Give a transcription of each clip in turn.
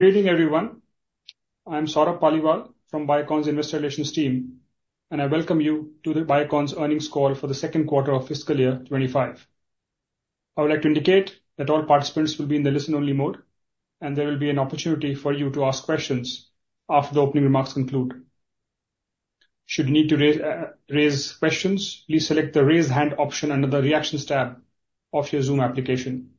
Good evening, everyone. I'm Saurabh Paliwal from Biocon's Investor Relations team, and I welcome you to the Biocon's earnings call for the Q2 of fiscal year 2025. I would like to indicate that all participants will be in the listen-only mode, and there will be an opportunity for you to ask questions after the opening remarks conclude. Should you need to raise questions, please select the Raise Hand option under the Reactions tab of your Zoom application.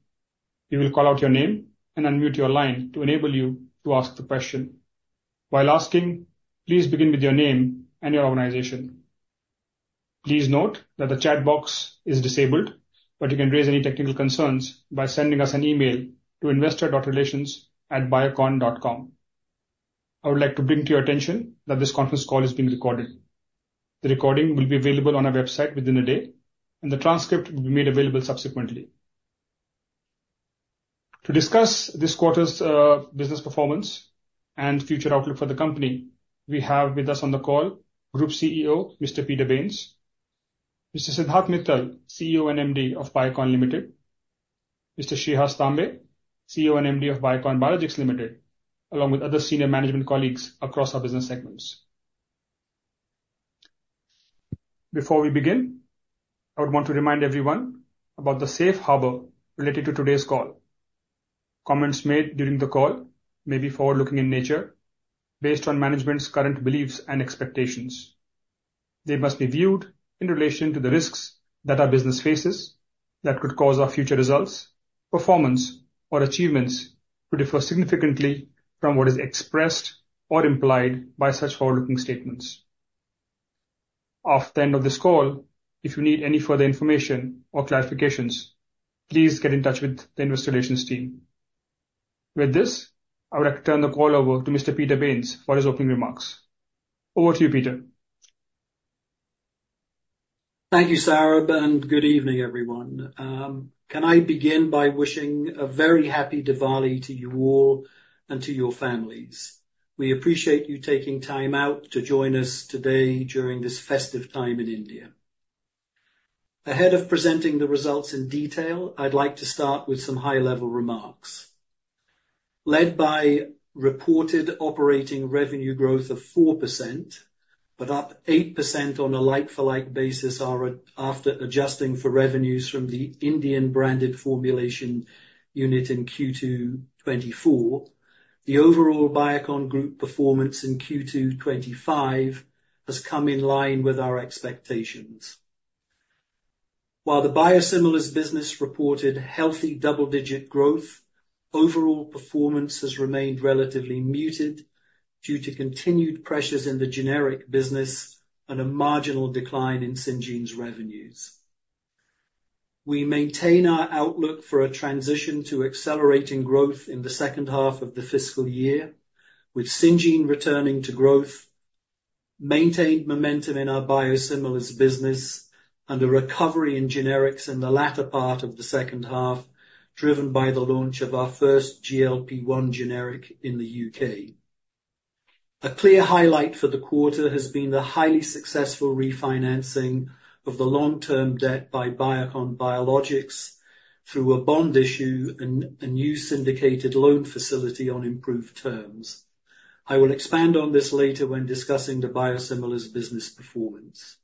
We will call out your name and unmute your line to enable you to ask the question. While asking, please begin with your name and your organization. Please note that the chat box is disabled, but you can raise any technical concerns by sending us an email to investor.relations@biocon.com. I would like to bring to your attention that this conference call is being recorded. The recording will be available on our website within a day, and the transcript will be made available subsequently. To discuss this quarter's business performance and future outlook for the company, we have with us on the call Group CEO, Mr. Peter Bains, Mr. Siddharth Mittal, CEO and MD of Biocon Limited, Mr. Shreehas Tambe, CEO and MD of Biocon Biologics Limited, along with other senior management colleagues across our business segments. Before we begin, I would want to remind everyone about the safe harbor related to today's call. Comments made during the call may be forward-looking in nature based on management's current beliefs and expectations. They must be viewed in relation to the risks that our business faces that could cause our future results, performance, or achievements to differ significantly from what is expressed or implied by such forward-looking statements. After the end of this call, if you need any further information or clarifications, please get in touch with the Investor Relations team. With this, I would like to turn the call over to Mr. Peter Bains for his opening remarks. Over to you, Peter. Thank you, Saurabh, and good evening, everyone. Can I begin by wishing a very happy Diwali to you all and to your families? We appreciate you taking time out to join us today during this festive time in India. Ahead of presenting the results in detail, I'd like to start with some high-level remarks. Led by reported operating revenue growth of 4%, but up 8% on a like-for-like basis after adjusting for revenues from the Indian branded formulation unit in Q2 2024, the overall Biocon Group performance in Q2 2025 has come in line with our expectations. While the biosimilars business reported healthy double-digit growth, overall performance has remained relatively muted due to continued pressures in the generic business and a marginal decline in Syngene's revenues. We maintain our outlook for a transition to accelerating growth in the H2 of the fiscal year, with Syngene returning to growth, maintained momentum in our biosimilars business, and a recovery in generics in the latter part of the H2, driven by the launch of our first GLP-1 generic in the UK. A clear highlight for the quarter has been the highly successful refinancing of the long-term debt by Biocon Biologics through a bond issue and a new syndicated loan facility on improved terms. I will expand on this later when discussing the biosimilars business performance.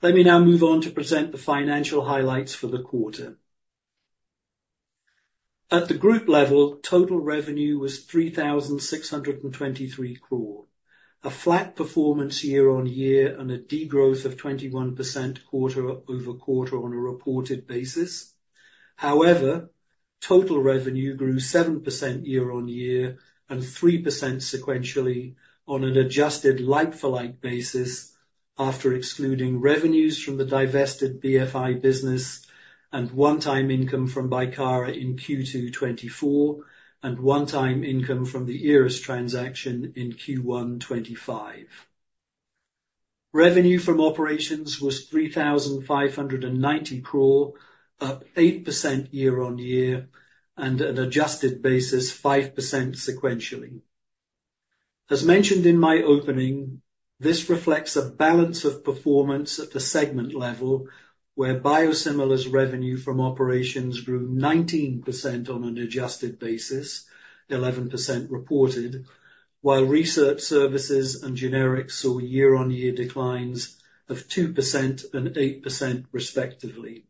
Let me now move on to present the financial highlights for the quarter. At the group level, total revenue was 3,623 crore, a flat performance year-on-year and a degrowth of 21% quarter-over-quarter on a reported basis. However, total revenue grew 7% year-on-year and 3% sequentially on an adjusted like-for-like basis after excluding revenues from the divested BFI business and one-time income from Bicara in Q2 2024 and one-time income from the Eris transaction in Q1 2025. Revenue from operations was ₹3,590 crore, up 8% year-on-year and an adjusted basis 5% sequentially. As mentioned in my opening, this reflects a balance of performance at the segment level where biosimilars revenue from operations grew 19% on an adjusted basis, 11% reported, while research services and generics saw year-on-year declines of 2% and 8%, respectively.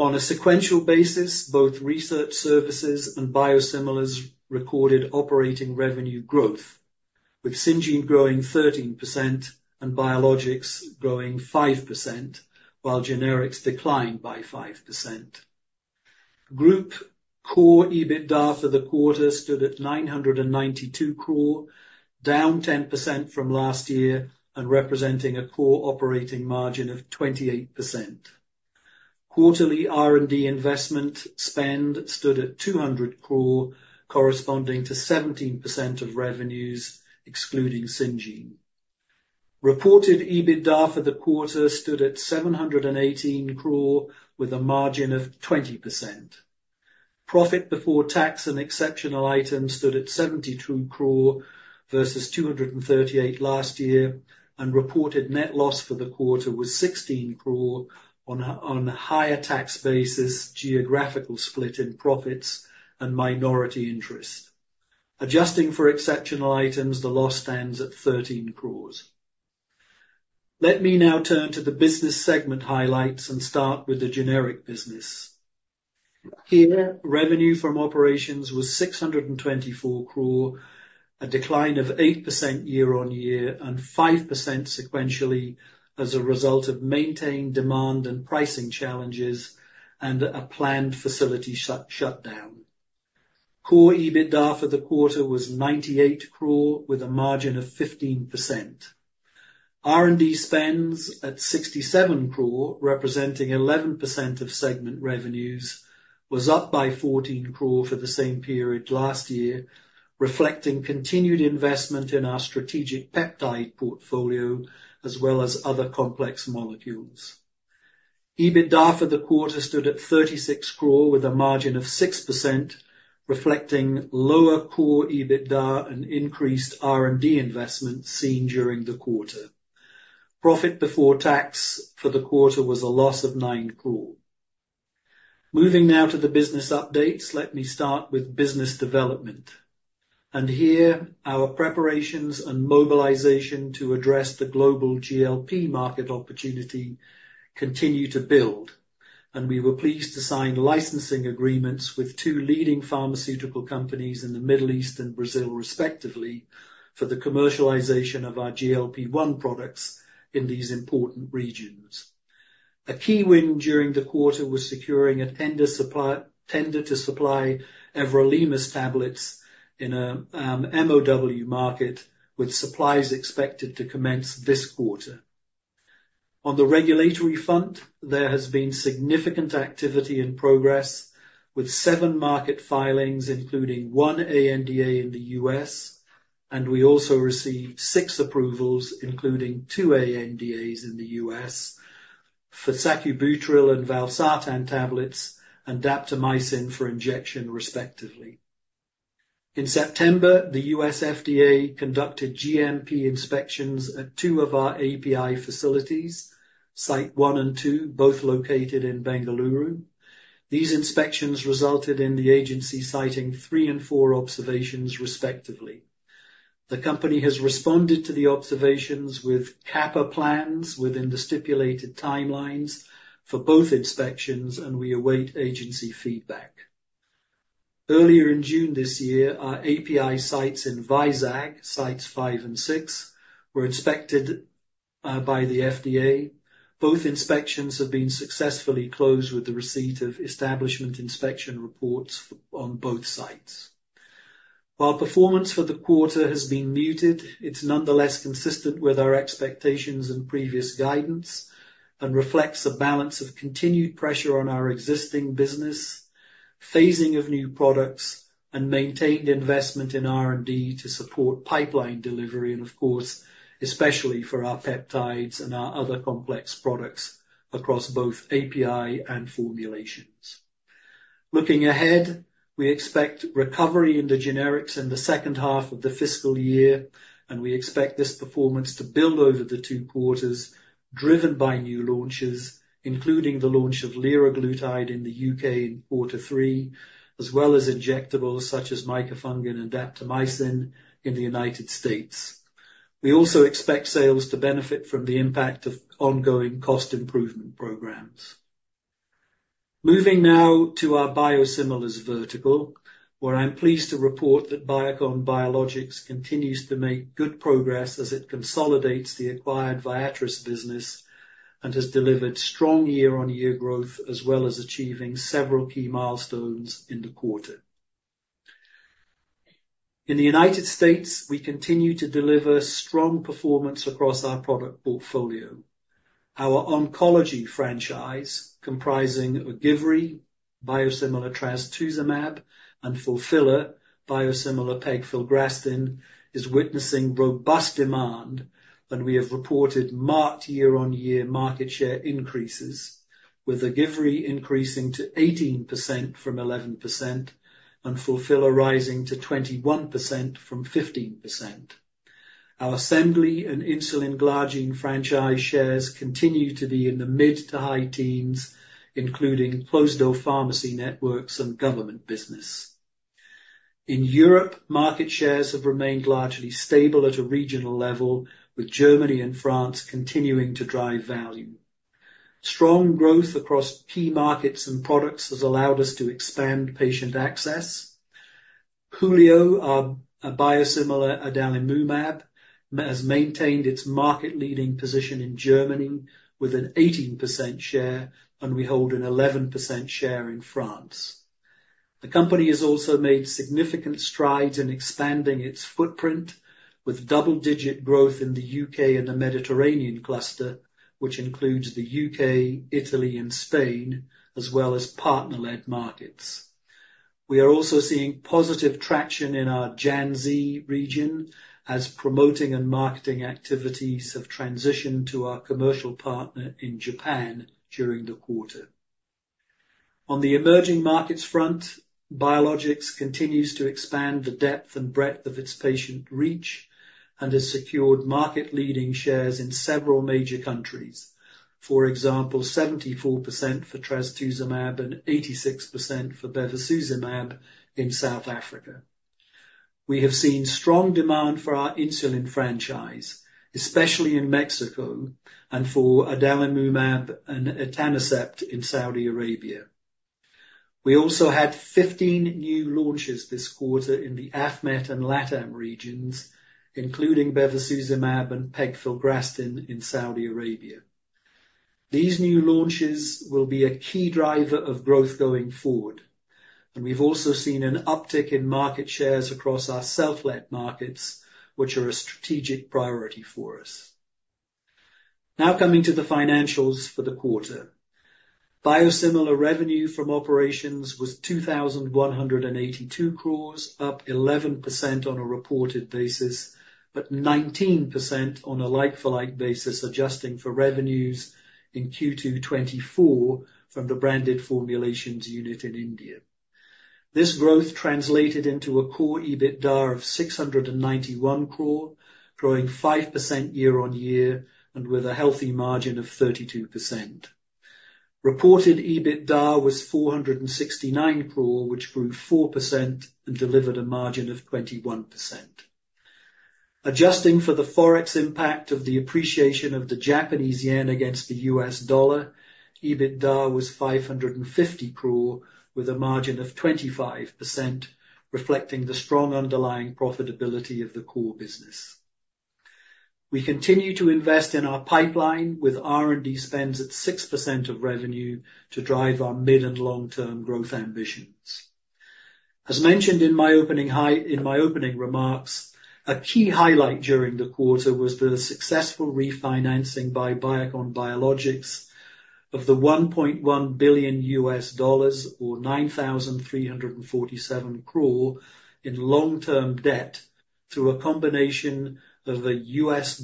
On a sequential basis, both research services and biosimilars recorded operating revenue growth, with Syngene growing 13% and Biologics growing 5%, while generics declined by 5%. Group core EBITDA for the quarter stood at ₹992 crore, down 10% from last year and representing a core operating margin of 28%. Quarterly R&D investment spend stood at 200 crore, corresponding to 17% of revenues excluding Syngene. Reported EBITDA for the quarter stood at 718 crore, with a margin of 20%. Profit before tax and exceptional items stood at 72 crore versus 238 last year, and reported net loss for the quarter was 16 crore on a higher tax basis geographical split in profits and minority interest. Adjusting for exceptional items, the loss stands at 13 crores. Let me now turn to the business segment highlights and start with the generic business. Here, revenue from operations was 624 crore, a decline of 8% year-on-year and 5% sequentially as a result of maintained demand and pricing challenges and a planned facility shutdown. Core EBITDA for the quarter was 98 crore, with a margin of 15%. R&D spends at 67 crore, representing 11% of segment revenues, was up by 14 crore for the same period last year, reflecting continued investment in our strategic peptide portfolio as well as other complex molecules. EBITDA for the quarter stood at 36 crore, with a margin of 6%, reflecting lower core EBITDA and increased R&D investment seen during the quarter. Profit before tax for the quarter was a loss of 9 crore. Moving now to the business updates, let me start with business development. And here, our preparations and mobilization to address the global GLP market opportunity continue to build, and we were pleased to sign licensing agreements with two leading pharmaceutical companies in the Middle East and Brazil, respectively, for the commercialization of our GLP-1 products in these important regions. A key win during the quarter was securing a tender to supply Everolimus tablets in an MOW market, with supplies expected to commence this quarter. On the regulatory front, there has been significant activity in progress, with seven market filings, including one ANDA in the U.S., and we also received six approvals, including two ANDAs in the U.S., for Sacubitril and Valsartan tablets and Daptomycin for injection, respectively. In September, the U.S. FDA conducted GMP inspections at two of our API facilities, Site 1 and 2, both located in Bengaluru. These inspections resulted in the agency citing three and four observations, respectively. The company has responded to the observations with CAPA plans within the stipulated timelines for both inspections, and we await agency feedback. Earlier in June this year, our API sites in Vizag, Sites 5 and 6, were inspected by the FDA. Both inspections have been successfully closed with the receipt of establishment inspection reports on both sites. While performance for the quarter has been muted, it's nonetheless consistent with our expectations and previous guidance and reflects a balance of continued pressure on our existing business, phasing of new products, and maintained investment in R&D to support pipeline delivery, and of course, especially for our peptides and our other complex products across both API and formulations. Looking ahead, we expect recovery in the generics in the H2 of the fiscal year, and we expect this performance to build over the two quarters, driven by new launches, including the launch of Liraglutide in the UK in Quarter 3, as well as injectables such as Micafungin and Daptomycin in the United States. We also expect sales to benefit from the impact of ongoing cost improvement programs. Moving now to our biosimilars vertical, where I'm pleased to report that Biocon Biologics continues to make good progress as it consolidates the acquired Viatris business and has delivered strong year-on-year growth as well as achieving several key milestones in the quarter. In the United States, we continue to deliver strong performance across our product portfolio. Our oncology franchise, comprising Ogivry, biosimilar Trastuzumab, and Fulphila, biosimilar Pegfilgrastim, is witnessing robust demand, and we have reported marked year-on-year market share increases, with Ogivry increasing to 18% from 11% and Fulphila rising to 21% from 15%. Our Adalimumab and insulin glargine franchise shares continue to be in the mid to high teens, including closed-door pharmacy networks and government business. In Europe, market shares have remained largely stable at a regional level, with Germany and France continuing to drive value. Strong growth across key markets and products has allowed us to expand patient access. Hulio, our biosimilar Adalimumab, has maintained its market-leading position in Germany with an 18% share, and we hold an 11% share in France. The company has also made significant strides in expanding its footprint, with double-digit growth in the UK and the Mediterranean cluster, which includes the UK, Italy, and Spain, as well as partner-led markets. We are also seeing positive traction in our JANZ region as promoting and marketing activities have transitioned to our commercial partner in Japan during the quarter. On the emerging markets front, Biologics continues to expand the depth and breadth of its patient reach and has secured market-leading shares in several major countries, for example, 74% for Trastuzumab and 86% for Bevacizumab in South Africa. We have seen strong demand for our insulin franchise, especially in Mexico, and for Adalimumab and Etanercept in Saudi Arabia. We also had 15 new launches this quarter in the AFMET and LATAM regions, including Bevacizumab and Pegfilgrastim in Saudi Arabia. These new launches will be a key driver of growth going forward, and we've also seen an uptick in market shares across our self-led markets, which are a strategic priority for us. Now coming to the financials for the quarter, biosimilar revenue from operations was 2,182 crore, up 11% on a reported basis, but 19% on a like-for-like basis adjusting for revenues in Q2 2024 from the branded formulations unit in India. This growth translated into a core EBITDA of 691 crore, growing 5% year-on-year and with a healthy margin of 32%. Reported EBITDA was 469 crore, which grew 4% and delivered a margin of 21%. Adjusting for the forex impact of the appreciation of the Japanese yen against the US dollar, EBITDA was 550 crore, with a margin of 25%, reflecting the strong underlying profitability of the core business. We continue to invest in our pipeline with R&D spends at 6% of revenue to drive our mid and long-term growth ambitions. As mentioned in my opening remarks, a key highlight during the quarter was the successful refinancing by Biocon Biologics of the $1.1 billion US dollars or 9,347 crore in long-term debt through a combination of a US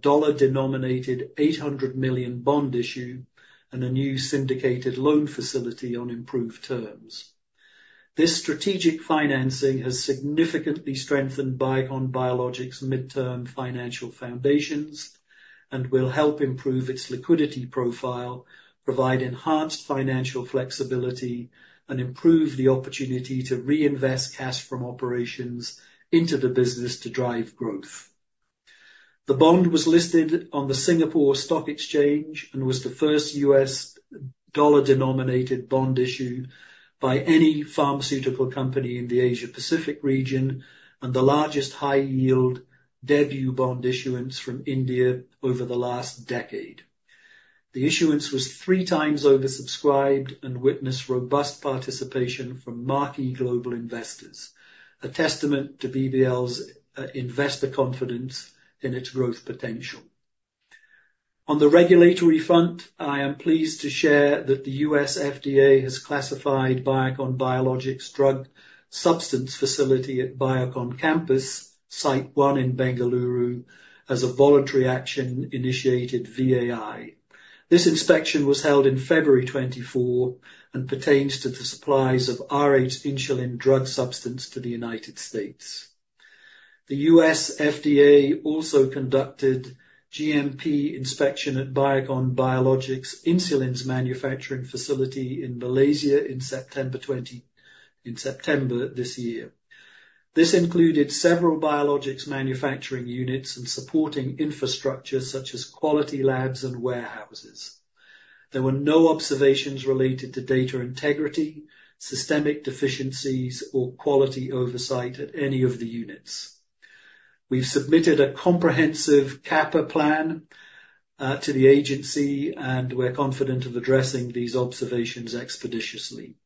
dollar-denominated $800 million bond issue and a new syndicated loan facility on improved terms. This strategic financing has significantly strengthened Biocon Biologics' midterm financial foundations and will help improve its liquidity profile, provide enhanced financial flexibility, and improve the opportunity to reinvest cash from operations into the business to drive growth. The bond was listed on the Singapore Exchange and was the first U.S. dollar-denominated bond issued by any pharmaceutical company in the Asia-Pacific region and the largest high-yield debut bond issuance from India over the last decade. The issuance was three times oversubscribed and witnessed robust participation from marquee global investors, a testament to BBL's investor confidence in its growth potential. On the regulatory front, I am pleased to share that the U.S. FDA has classified Biocon Biologics' drug substance facility at Biocon Campus, Site 1 in Bengaluru, as a voluntary action indicated VAI. This inspection was held in February 2024 and pertains to the supplies of rh-insulin drug substance to the United States. The U.S. FDA also conducted GMP inspection at Biocon Biologics' insulins manufacturing facility in Malaysia in September this year. This included several biologics manufacturing units and supporting infrastructure such as quality labs and warehouses. There were no observations related to data integrity, systemic deficiencies, or quality oversight at any of the units. We've submitted a comprehensive CAPA plan to the agency, and we're confident of addressing these observations expeditiously.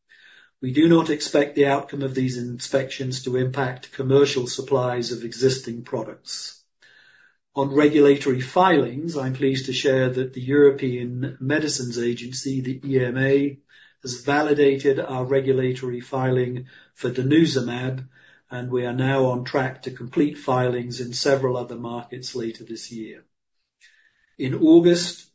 We do not expect the outcome of these inspections to impact commercial supplies of existing products. On regulatory filings, I'm pleased to share that the European Medicines Agency, the EMA, has validated our regulatory filing for Denosumab, and we are now on track to complete filings in several other markets later this year. In August,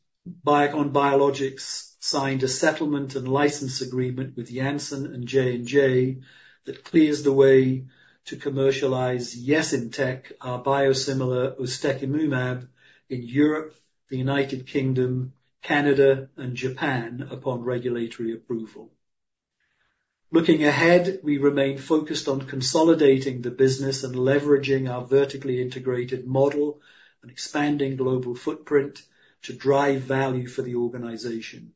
Biocon Biologics signed a settlement and license agreement with Janssen and J&J that clears the way to commercialize Ustekinumab, our biosimilar Ustekinumab, in Europe, the United Kingdom, Canada, and Japan upon regulatory approval. Looking ahead, we remain focused on consolidating the business and leveraging our vertically integrated model and expanding global footprint to drive value for the organization.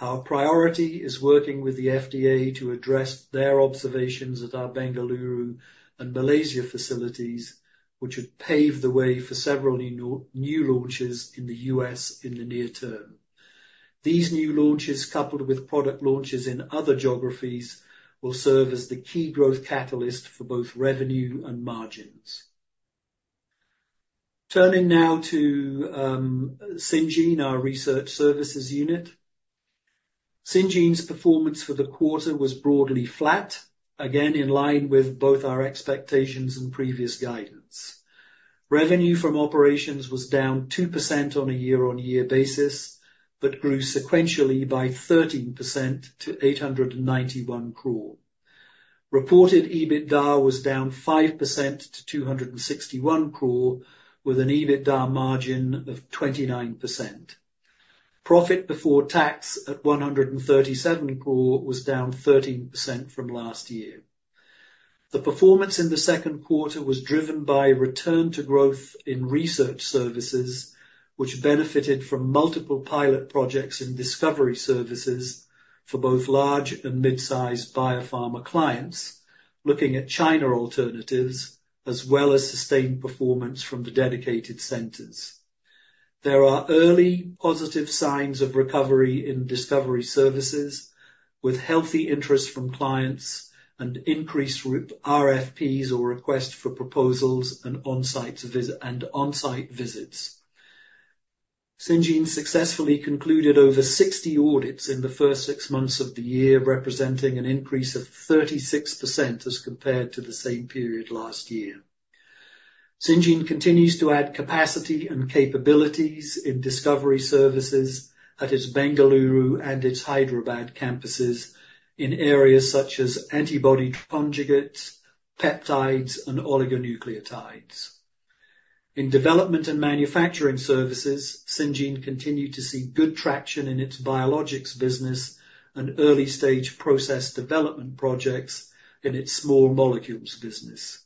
Our priority is working with the FDA to address their observations at our Bengaluru and Malaysia facilities, which would pave the way for several new launches in the U.S. in the near term. These new launches, coupled with product launches in other geographies, will serve as the key growth catalyst for both revenue and margins. Turning now to Syngene, our research services unit. Syngene's performance for the quarter was broadly flat, again in line with both our expectations and previous guidance. Revenue from operations was down 2% on a year-on-year basis but grew sequentially by 13% to 891 crore. Reported EBITDA was down 5% to 261 crore, with an EBITDA margin of 29%. Profit before tax at 137 crore was down 13% from last year. The performance in the Q2 was driven by return to growth in research services, which benefited from multiple pilot projects in discovery services for both large and mid-sized biopharma clients, looking at China alternatives as well as sustained performance from the dedicated centers. There are early positive signs of recovery in discovery services, with healthy interest from clients and increased RFPs or requests for proposals and on-site visits. Syngene successfully concluded over 60 audits in the first six months of the year, representing an increase of 36% as compared to the same period last year. Syngene continues to add capacity and capabilities in discovery services at its Bengaluru and its Hyderabad campuses in areas such as antibody conjugates, peptides, and oligonucleotides. In development and manufacturing services, Syngene continued to see good traction in its biologics business and early-stage process development projects in its small molecules business.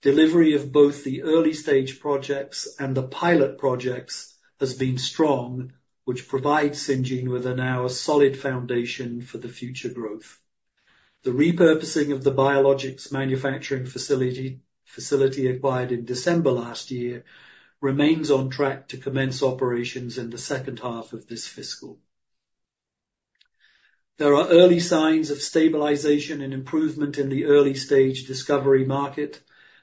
Delivery of both the early-stage projects and the pilot projects has been strong, which provides Syngene with now a solid foundation for the future growth. The repurposing of the biologics manufacturing facility acquired in December last year remains on track to commence operations in the H2 of this fiscal. There are early signs of stabilization and improvement in the early-stage discovery market.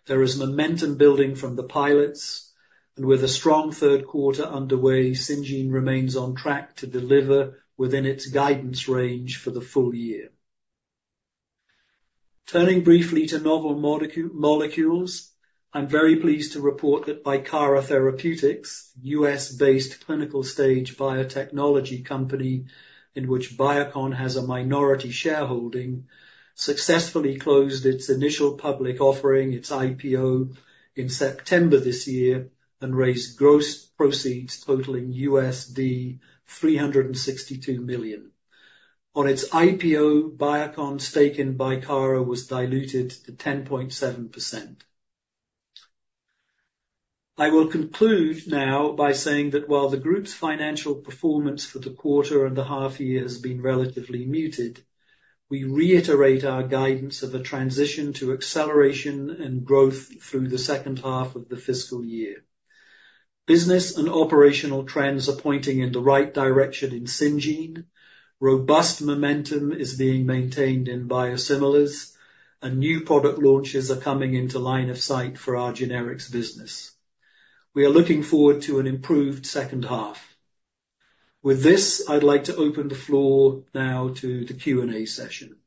There is momentum building from the pilots, and with a strong Q3 underway, Syngene remains on track to deliver within its guidance range for the full year. Turning briefly to novel molecules, I'm very pleased to report that Bicara Therapeutics, U.S.-based clinical-stage biotechnology company in which Biocon has a minority shareholding, successfully closed its initial public offering, its IPO, in September this year and raised gross proceeds totaling USD $362 million. On its IPO, Biocon's stake in Bicara was diluted to 10.7%. I will conclude now by saying that while the group's financial performance for the quarter and the half year has been relatively muted, we reiterate our guidance of a transition to acceleration and growth through the H2 of the fiscal year. Business and operational trends are pointing in the right direction in Syngene. Robust momentum is being maintained in biosimilars, and new product launches are coming into line of sight for our generics business. We are looking forward to an improved H2. With this, I'd like to open the floor now to the Q&A session.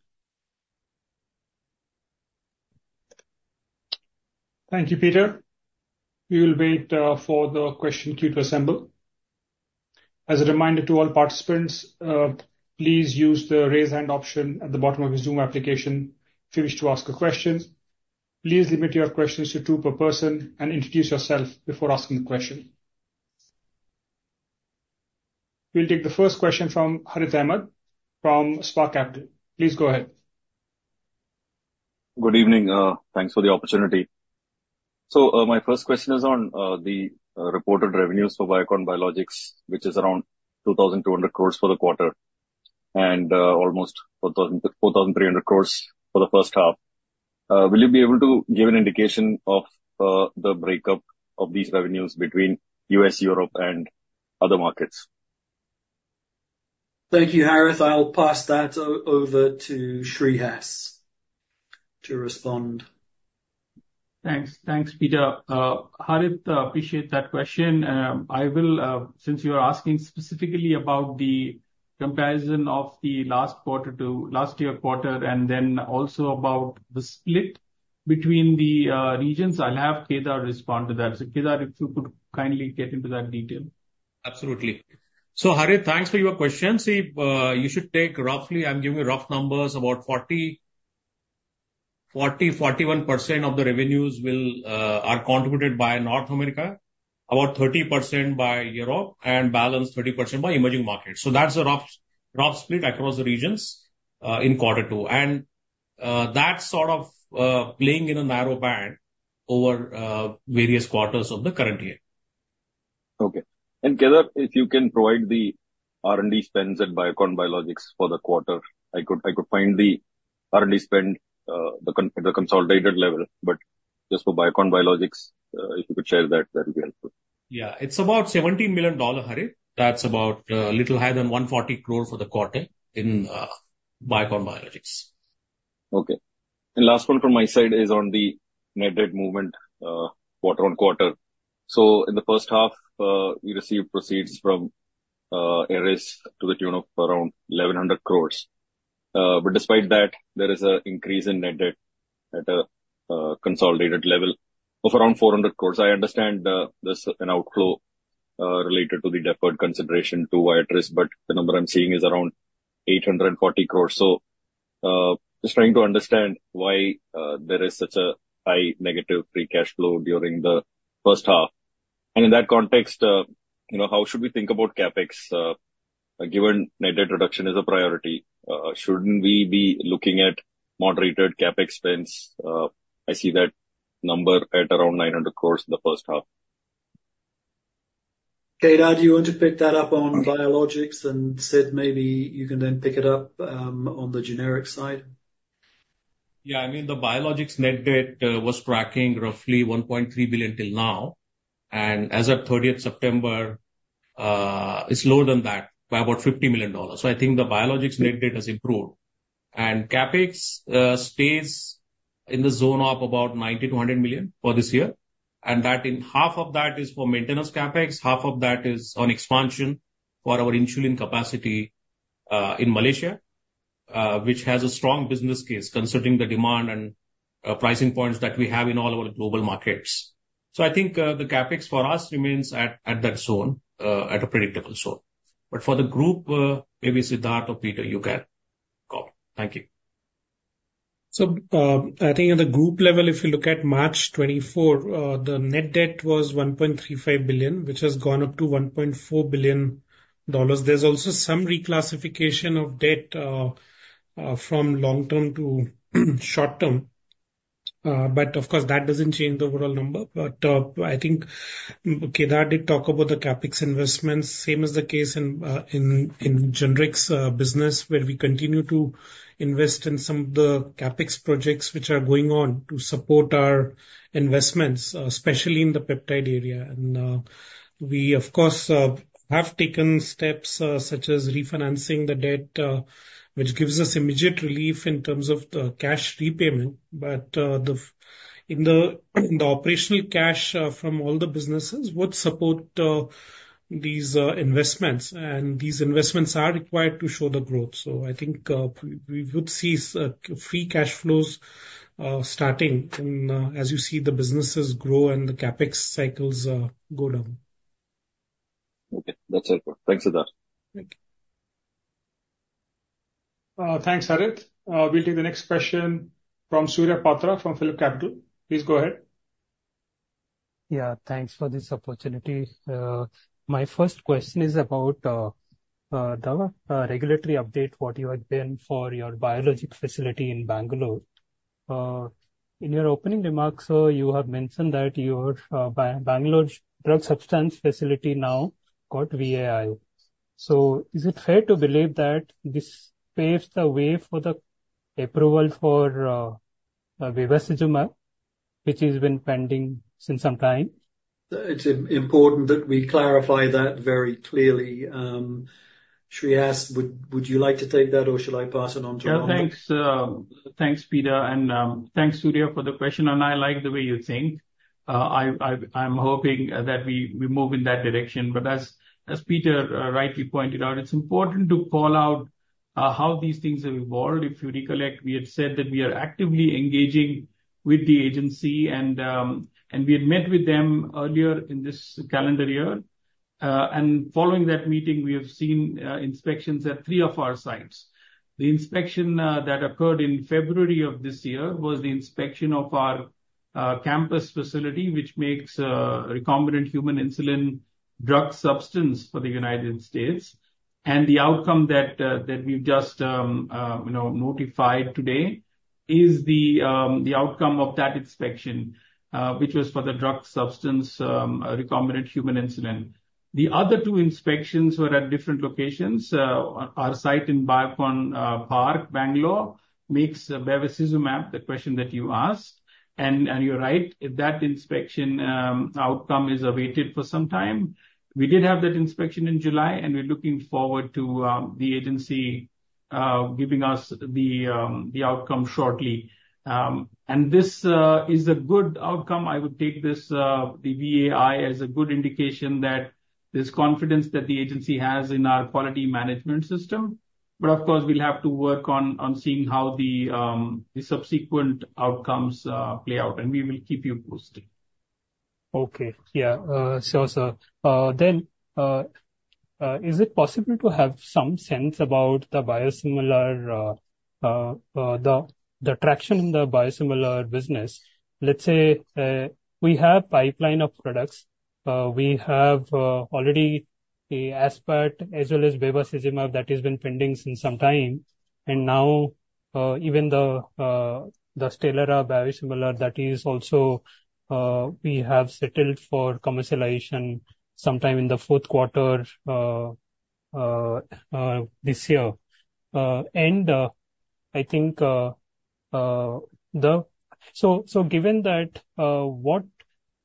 Thank you, Peter. We will wait for the question queue to assemble. As a reminder to all participants, please use the raise hand option at the bottom of your Zoom application if you wish to ask a question. Please limit your questions to two per person and introduce yourself before asking the question. We'll take the first question from Harith Ahamed from Spark Capital. Please go ahead. Good evening. Thanks for the opportunity, so my first question is on the reported revenues for Biocon Biologics, which is around 2,200 crores for the quarter and almost 4,300 crores for the H1. Will you be able to give an indication of the breakup of these revenues between U.S., Europe, and other markets? Thank you, Harith. I'll pass that over to Shreehas to respond. Thanks. Thanks, Peter. Harith, appreciate that question. Since you are asking specifically about the comparison of the last quarter to last year's quarter and then also about the split between the regions, I'll have Kedar respond to that. Kedar, if you could kindly get into that detail. Absolutely. Harith, thanks for your question. See, you should take roughly. I'm giving you rough numbers, about 40, 40, 41% of the revenues are contributed by North America, about 30% by Europe, and balance 30% by emerging markets. So that's a rough split across the regions in quarter two. And that's sort of playing in a narrow band over various quarters of the current year. Okay. And Kedar, if you can provide the R&D spends at Biocon Biologics for the quarter, I could find the R&D spend at the consolidated level. But just for Biocon Biologics, if you could share that, that would be helpful. Yeah. It's about $17 million, Harith. That's about a little higher than 140 crore for the quarter in Biocon Biologics. Okay. And last one from my side is on the net debt movement quarter on quarter. In the H1, we received proceeds from Eris to the tune of around 1,100 crores. But despite that, there is an increase in net debt at a consolidated level of around 400 crores. I understand there's an outflow related to the deferred consideration to Eris, but the number I'm seeing is around 840 crores. Just trying to understand why there is such a high negative free cash flow during the H1. And in that context, how should we think about CapEx given net debt reduction is a priority? Shouldn't we be looking at moderated CapEx spends? I see that number at around 900 crores in the H1. Kedar, do you want to pick that up on biologics and Saurabh maybe you can then pick it up on the generic side? Yeah. I mean, the biologics net debt was tracking roughly 1.3 billion till now. As of 30th September, it's lower than that by about $50 million. I think the biologics net debt has improved. CapEx stays in the zone of about ₹90-₹100 million for this year. Half of that is for maintenance CapEx. Half of that is on expansion for our insulin capacity in Malaysia, which has a strong business case considering the demand and pricing points that we have in all our global markets. I think the CapEx for us remains at that zone, at a predictable zone. For the group, maybe Siddharth or Peter, you can copy. Thank you. I think at the group level, if you look at March 2024, the net debt was ₹1.35 billion, which has gone up to $1.4 billion. There's also some reclassification of debt from long-term to short-term. Of course, that doesn't change the overall number. But I think Kedar did talk about the CapEx investments. Same as the case in generics business, where we continue to invest in some of the CapEx projects which are going on to support our investments, especially in the peptide area. And we, of course, have taken steps such as refinancing the debt, which gives us immediate relief in terms of the cash repayment. But in the operational cash from all the businesses, would support these investments. And these investments are required to show the growth. So I think we would see free cash flows starting as you see the businesses grow and the CapEx cycles go down. Okay. That's it. Thanks, Siddharth. Thank you. Thanks, Harith. We'll take the next question from Surya Patra from PhillipCapital. Please go ahead. Yeah. Thanks for this opportunity. My first question is about the regulatory update for your biologic facility in Bengaluru. In your opening remarks, you have mentioned that your Bangalore drug substance facility now got VAI. So is it fair to believe that this paves the way for the approval for Bevacizumab, which has been pending since some time? It's important that we clarify that very clearly. Shreehas, would you like to take that, or should I pass it on to Harith? Yeah. Thanks, Peter. And thanks, Surya, for the question. And I like the way you think. I'm hoping that we move in that direction. But as Peter rightly pointed out, it's important to call out how these things have evolved. If you recollect, we had said that we are actively engaging with the agency, and we had met with them earlier in this calendar year. And following that meeting, we have seen inspections at three of our sites. The inspection that occurred in February of this year was the inspection of our campus facility, which makes recombinant human insulin drug substance for the United States, and the outcome that we've just notified today is the outcome of that inspection, which was for the drug substance recombinant human insulin. The other two inspections were at different locations. Our site in Biocon Park, Bangalore, makes Bevacizumab, the question that you asked, and you're right, that inspection outcome is awaited for some time. We did have that inspection in July, and we're looking forward to the agency giving us the outcome shortly, and this is a good outcome. I would take the VAI as a good indication that there's confidence that the agency has in our quality management system, but of course, we'll have to work on seeing how the subsequent outcomes play out, and we will keep you posted. Okay. Yeah. Sure. Then is it possible to have some sense about the traction in the biosimilar business? Let's say we have a pipeline of products. We have already Aspart as well as Viatris Adalimumab that has been pending since some time. And now even the Stelara biosimilar that is also we have settled for commercialization sometime in the Q4 this year. And I think so given that, what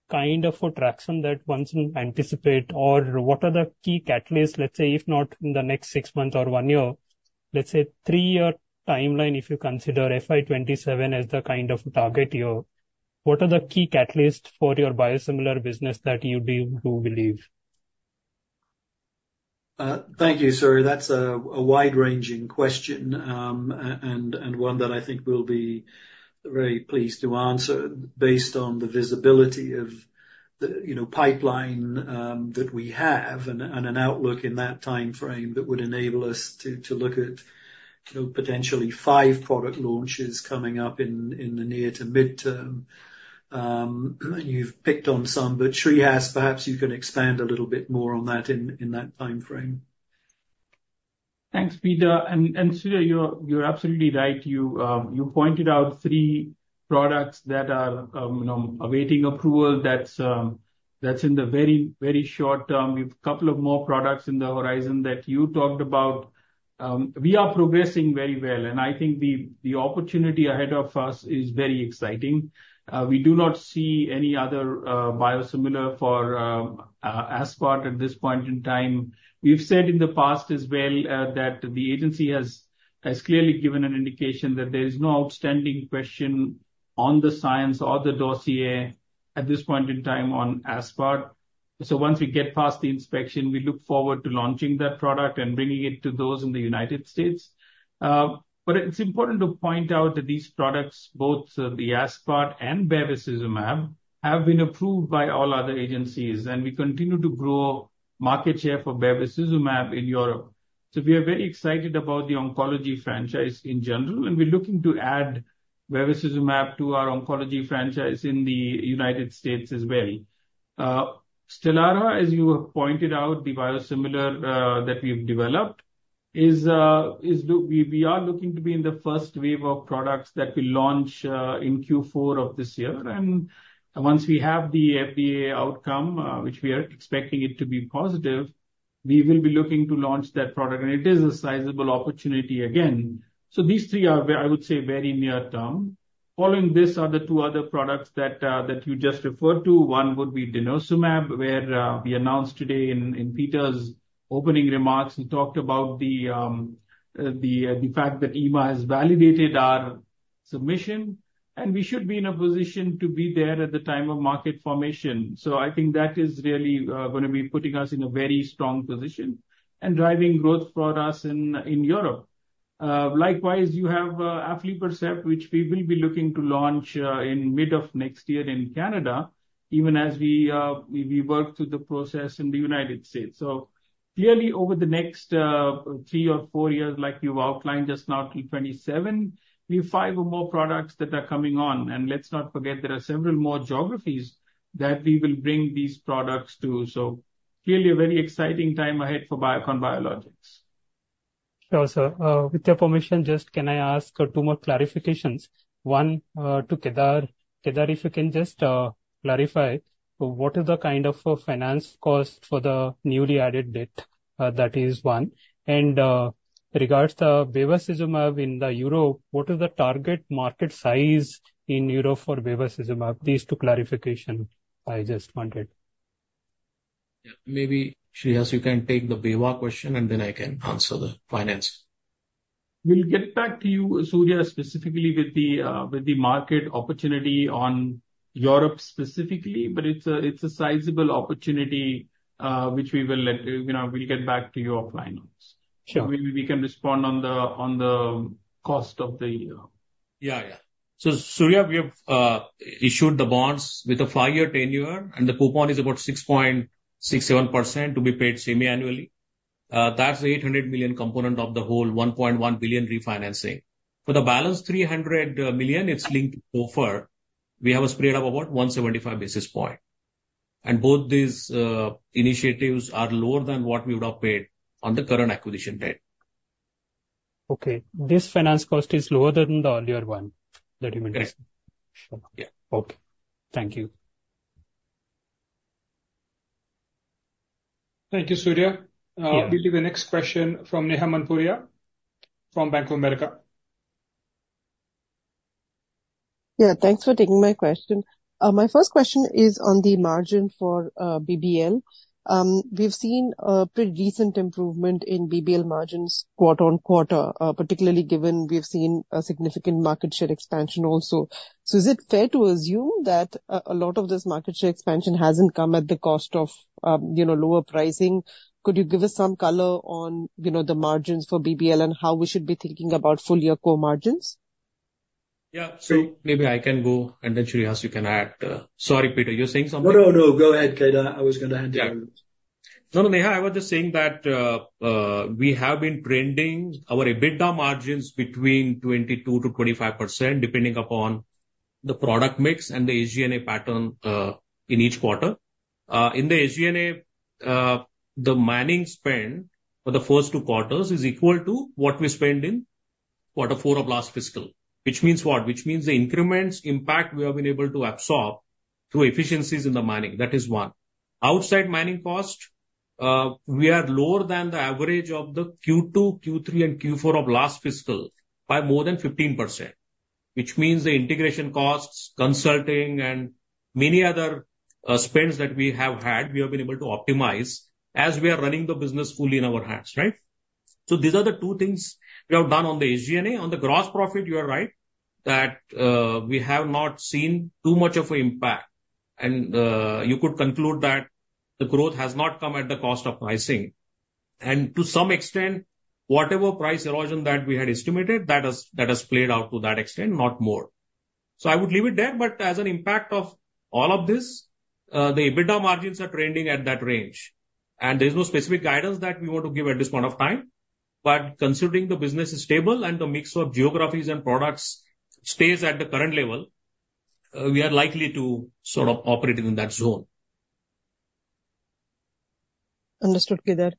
kind of traction that ones anticipate, or what are the key catalysts, let's say, if not in the next six months or one year, let's say three-year timeline if you consider FY27 as the kind of target year, what are the key catalysts for your biosimilar business that you do believe? Thank you, Surya. That's a wide-ranging question and one that I think we'll be very pleased to answer based on the visibility of the pipeline that we have and an outlook in that timeframe that would enable us to look at potentially five product launches coming up in the near to midterm. And you've picked on some. But Shreehas, perhaps you can expand a little bit more on that in that timeframe. Thanks, Peter. And Surya, you're absolutely right. You pointed out three products that are awaiting approval. That's in the very, very short term. We have a couple of more products in the horizon that you talked about. We are progressing very well. And I think the opportunity ahead of us is very exciting. We do not see any other biosimilar for Aspart at this point in time. We've said in the past as well that the agency has clearly given an indication that there is no outstanding question on the science or the dossier at this point in time on Aspart, so once we get past the inspection, we look forward to launching that product and bringing it to those in the United States, but it's important to point out that these products, both the Aspart and Bevacizumab, have been approved by all other agencies, and we continue to grow market share for Bevacizumab in Europe, so we are very excited about the oncology franchise in general, and we're looking to add Bevacizumab to our oncology franchise in the United States as well. Stelara, as you have pointed out, the biosimilar that we've developed, we are looking to be in the first wave of products that we launch in Q4 of this year. And once we have the FDA outcome, which we are expecting it to be positive, we will be looking to launch that product. And it is a sizable opportunity again. So these three are, I would say, very near term. Following this are the two other products that you just referred to. One would be Denosumab, where we announced today in Peter's opening remarks, we talked about the fact that EMA has validated our submission. And we should be in a position to be there at the time of market formation. So I think that is really going to be putting us in a very strong position and driving growth for us in Europe. Likewise, you have Aflibercept, which we will be looking to launch in mid of next year in Canada, even as we work through the process in the United States. Clearly, over the next three or four years, like you've outlined just now, till 2027, we have five or more products that are coming on. Let's not forget, there are several more geographies that we will bring these products to. Clearly, a very exciting time ahead for Biocon Biologics. Also, with your permission, just can I ask two more clarifications? One, to Kedar, if you can just clarify, what is the kind of finance cost for the newly added debt? That is one. And regards to Bevacizumab in Europe, what is the target market size in Europe for Bevacizumab? These two clarifications I just wanted. Yeah. Maybe Shreehas, you can take the Beva question, and then I can answer the finance. We'll get back to you, Surya, specifically with the market opportunity on Europe specifically. But it's a sizable opportunity which we will get back to you offline on. Maybe we can respond on the cost of the. Yeah. Yeah. So Surya, we have issued the bonds with a five-year tenure. And the coupon is about 6.67% to be paid semi-annually. That's an $800 million component of the whole $1.1 billion refinancing. For the balance $300 million, it's linked to SOFR. We have a spread of about 175 basis points. And both these initiatives are lower than what we would have paid on the current acquisition date. Okay. This finance cost is lower than the earlier one that you mentioned? Yes. Yeah. Okay. Thank you. Thank you, Surya. We'll leave the next question from Neha Manpuria from Bank of America. Yeah. Thanks for taking my question. My first question is on the margin for BBL. We've seen a pretty recent improvement in BBL margins quarter on quarter, particularly given we've seen a significant market share expansion also. So is it fair to assume that a lot of this market share expansion hasn't come at the cost of lower pricing? Could you give us some color on the margins for BBL and how we should be thinking about full-year core margins? Yeah. So maybe I can go. And then Shreehas, you can add. Sorry, Peter. You're saying something? No, no, no. Go ahead, Kedar. I was going to add to your. No, no, Neha. I was just saying that we have been trending our EBITDA margins between 22%-25%, depending upon the product mix and the SG&A pattern in each quarter. In the SG&A, the marketing spend for the first two quarters is equal to what we spend in quarter four of last fiscal, which means what? Which means the incremental impact we have been able to absorb through efficiencies in the marketing. That is one. Outside marketing cost, we are lower than the average of the Q2, Q3, and Q4 of last fiscal by more than 15%, which means the integration costs, consulting, and many other spends that we have had, we have been able to optimize as we are running the business fully in our hands, right? So these are the two things we have done on the SG&A. On the gross profit, you are right that we have not seen too much of an impact. You could conclude that the growth has not come at the cost of pricing. And to some extent, whatever price erosion that we had estimated, that has played out to that extent, not more. So I would leave it there. But as an impact of all of this, the EBITDA margins are trending at that range. And there is no specific guidance that we want to give at this point of time. But considering the business is stable and the mix of geographies and products stays at the current level, we are likely to sort of operate in that zone. Understood, Kedar.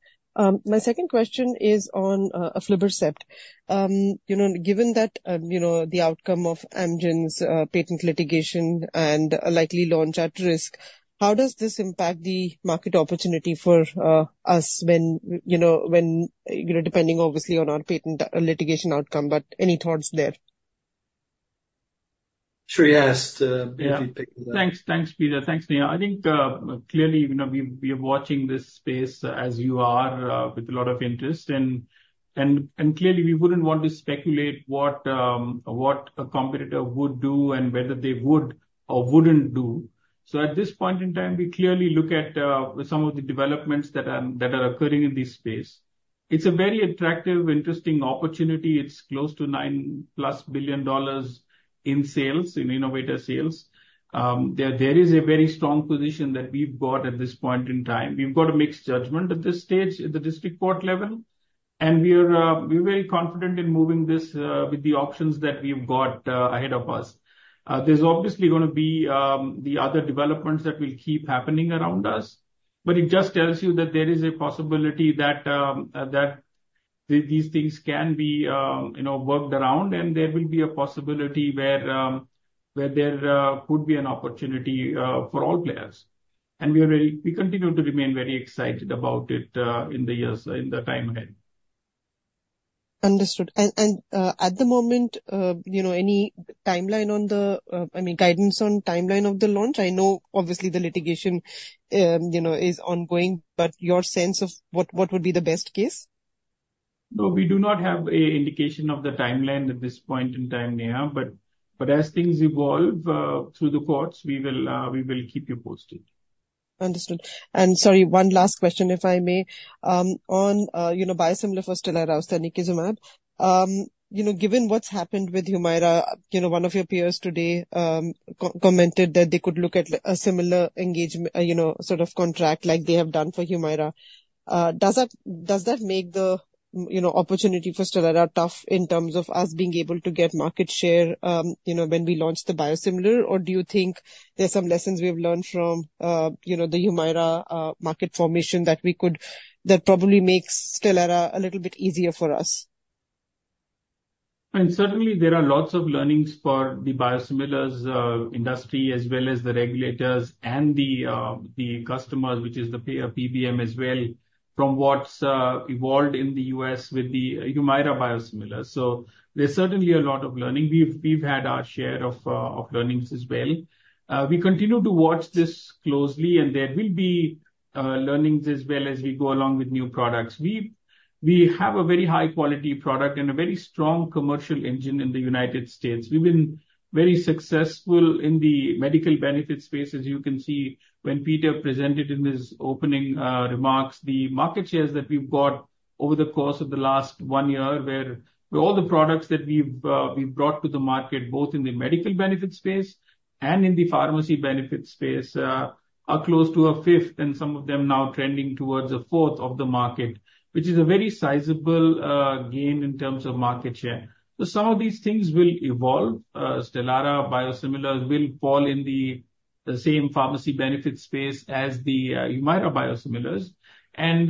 My second question is on Aflibercept. Given that the outcome of Amgen's patent litigation and likely launch at risk, how does this impact the market opportunity for us when depending, obviously, on our patent litigation outcome? But any thoughts there? Shreehas, if you'd pick. Thanks, Peter. Thanks, Neha. I think clearly, we are watching this space as you are with a lot of interest. And clearly, we wouldn't want to speculate what a competitor would do and whether they would or wouldn't do. So at this point in time, we clearly look at some of the developments that are occurring in this space. It's a very attractive, interesting opportunity. It's close to $9 billion in sales, in innovator sales. There is a very strong position that we've got at this point in time. We've got a mixed judgment at this stage at the district court level. And we're very confident in moving this with the options that we've got ahead of us. There's obviously going to be the other developments that will keep happening around us. But it just tells you that there is a possibility that these things can be worked around. There will be a possibility where there could be an opportunity for all players. We continue to remain very excited about it in the years in the time ahead. Understood. At the moment, any timeline on the, I mean, guidance on timeline of the launch? I know, obviously, the litigation is ongoing. Your sense of what would be the best case? No, we do not have an indication of the timeline at this point in time, Neha. As things evolve through the courts, we will keep you posted. Understood. Sorry, one last question, if I may. On biosimilar for Stelara or Secukinumab, given what's happened with Humira, one of your peers today commented that they could look at a similar engagement sort of contract like they have done for Humira. Does that make the opportunity for Stelara tough in terms of us being able to get market share when we launch the biosimilar? Or do you think there's some lessons we have learned from the Humira market formation that probably makes Stelara a little bit easier for us? And certainly, there are lots of learnings for the biosimilars industry as well as the regulators and the customers, which is the PBM as well, from what's evolved in the U.S. with the Humira biosimilars. So there's certainly a lot of learning. We've had our share of learnings as well. We continue to watch this closely. And there will be learnings as well as we go along with new products. We have a very high-quality product and a very strong commercial engine in the United States. We've been very successful in the medical benefit space, as you can see when Peter presented in his opening remarks. The market shares that we've got over the course of the last one year, where all the products that we've brought to the market, both in the medical benefit space and in the pharmacy benefit space, are close to a fifth, and some of them now trending towards a fourth of the market, which is a very sizable gain in terms of market share. So some of these things will evolve. Stelara biosimilars will fall in the same pharmacy benefit space as the Humira biosimilars. And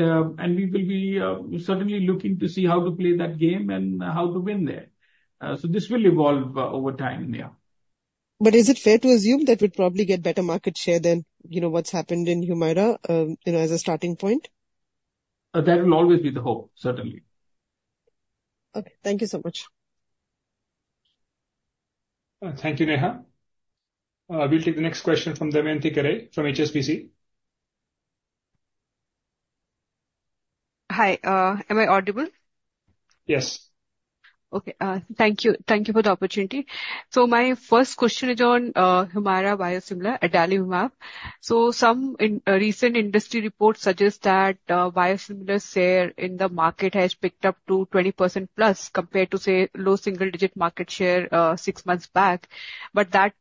we will be certainly looking to see how to play that game and how to win there. So this will evolve over time, Neha. But is it fair to assume that we'll probably get better market share than what's happened in Humira as a starting point? That will always be the hope, certainly. Okay. Thank you so much. Thank you, Neha. We'll take the next question from Damayanti Kerai from HSBC. Hi. Am I audible? Yes. Okay. Thank you for the opportunity. So my first question is on Humira biosimilar in the US market. So some recent industry reports suggest that biosimilar share in the market has picked up to 20% plus compared to, say, low single-digit market share six months back. But that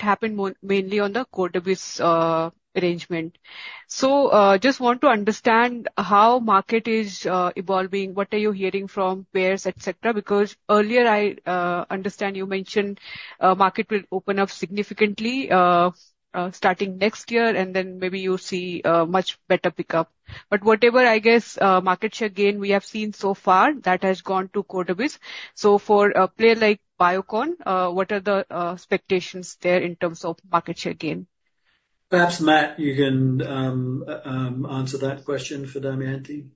happened mainly on the Cordavis arrangement. So I just want to understand how the market is evolving, what are you hearing from peers, etc. Because earlier, I understand you mentioned the market will open up significantly starting next year, and then maybe you'll see a much better pickup. But whatever, I guess, market share gain we have seen so far, that has gone to Cordavis. So for a player like Biocon, what are the expectations there in terms of market share gain? Perhaps, Matt, you can answer that question for Damayanti.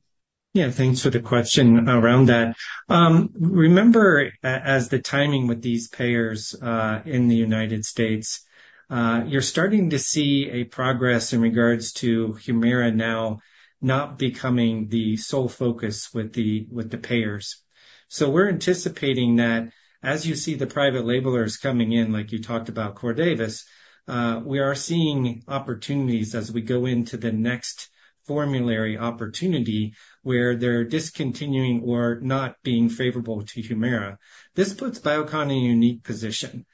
Yeah. Thanks for the question around that. Remember, as the timing with these payers in the United States, you're starting to see a progress in regards to Humira now not becoming the sole focus with the payers. So we're anticipating that as you see the private labelers coming in, like you talked about, Cordavis, we are seeing opportunities as we go into the next formulary opportunity where they're discontinuing or not being favorable to Humira. This puts Biocon in a unique position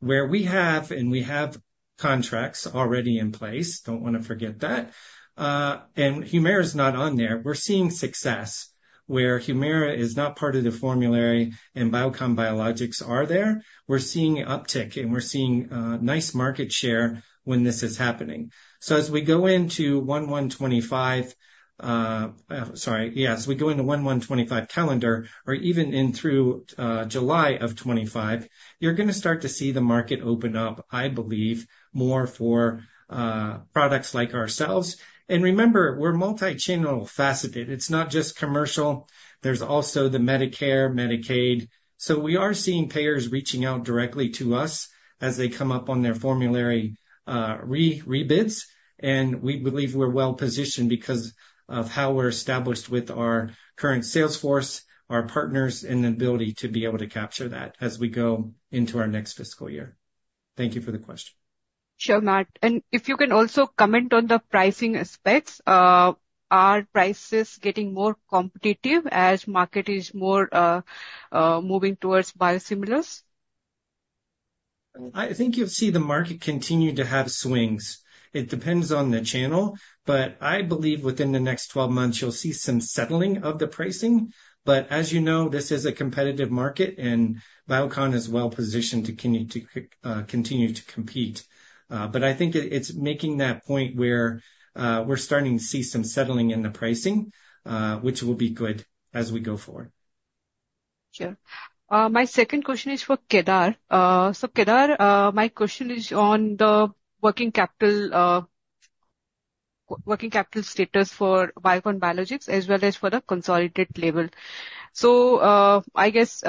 where we have and we have contracts already in place. Don't want to forget that. And Humira is not on there. We're seeing success where Humira is not part of the formulary and Biocon Biologics are there. We're seeing an uptick, and we're seeing nice market share when this is happening. So as we go into 1/1/2025, sorry, yeah, as we go into 1/1/2025 calendar or even in through July of 2025, you're going to start to see the market open up, I believe, more for products like ourselves. And remember, we're multi-channel faceted. It's not just commercial. There's also the Medicare, Medicaid. So we are seeing payers reaching out directly to us as they come up on their formulary re-bids. And we believe we're well-positioned because of how we're established with our current salesforce, our partners, and the ability to be able to capture that as we go into our next fiscal year. Thank you for the question. Sure, Matt. If you can also comment on the pricing aspects, are prices getting more competitive as the market is more moving towards biosimilars? I think you'll see the market continue to have swings. It depends on the channel. I believe within the next 12 months, you'll see some settling of the pricing. As you know, this is a competitive market, and Biocon is well-positioned to continue to compete. I think it's making that point where we're starting to see some settling in the pricing, which will be good as we go forward. Sure. My second question is for Kedar. Kedar, my question is on the working capital status for Biocon Biologics as well as for the consolidated level. I guess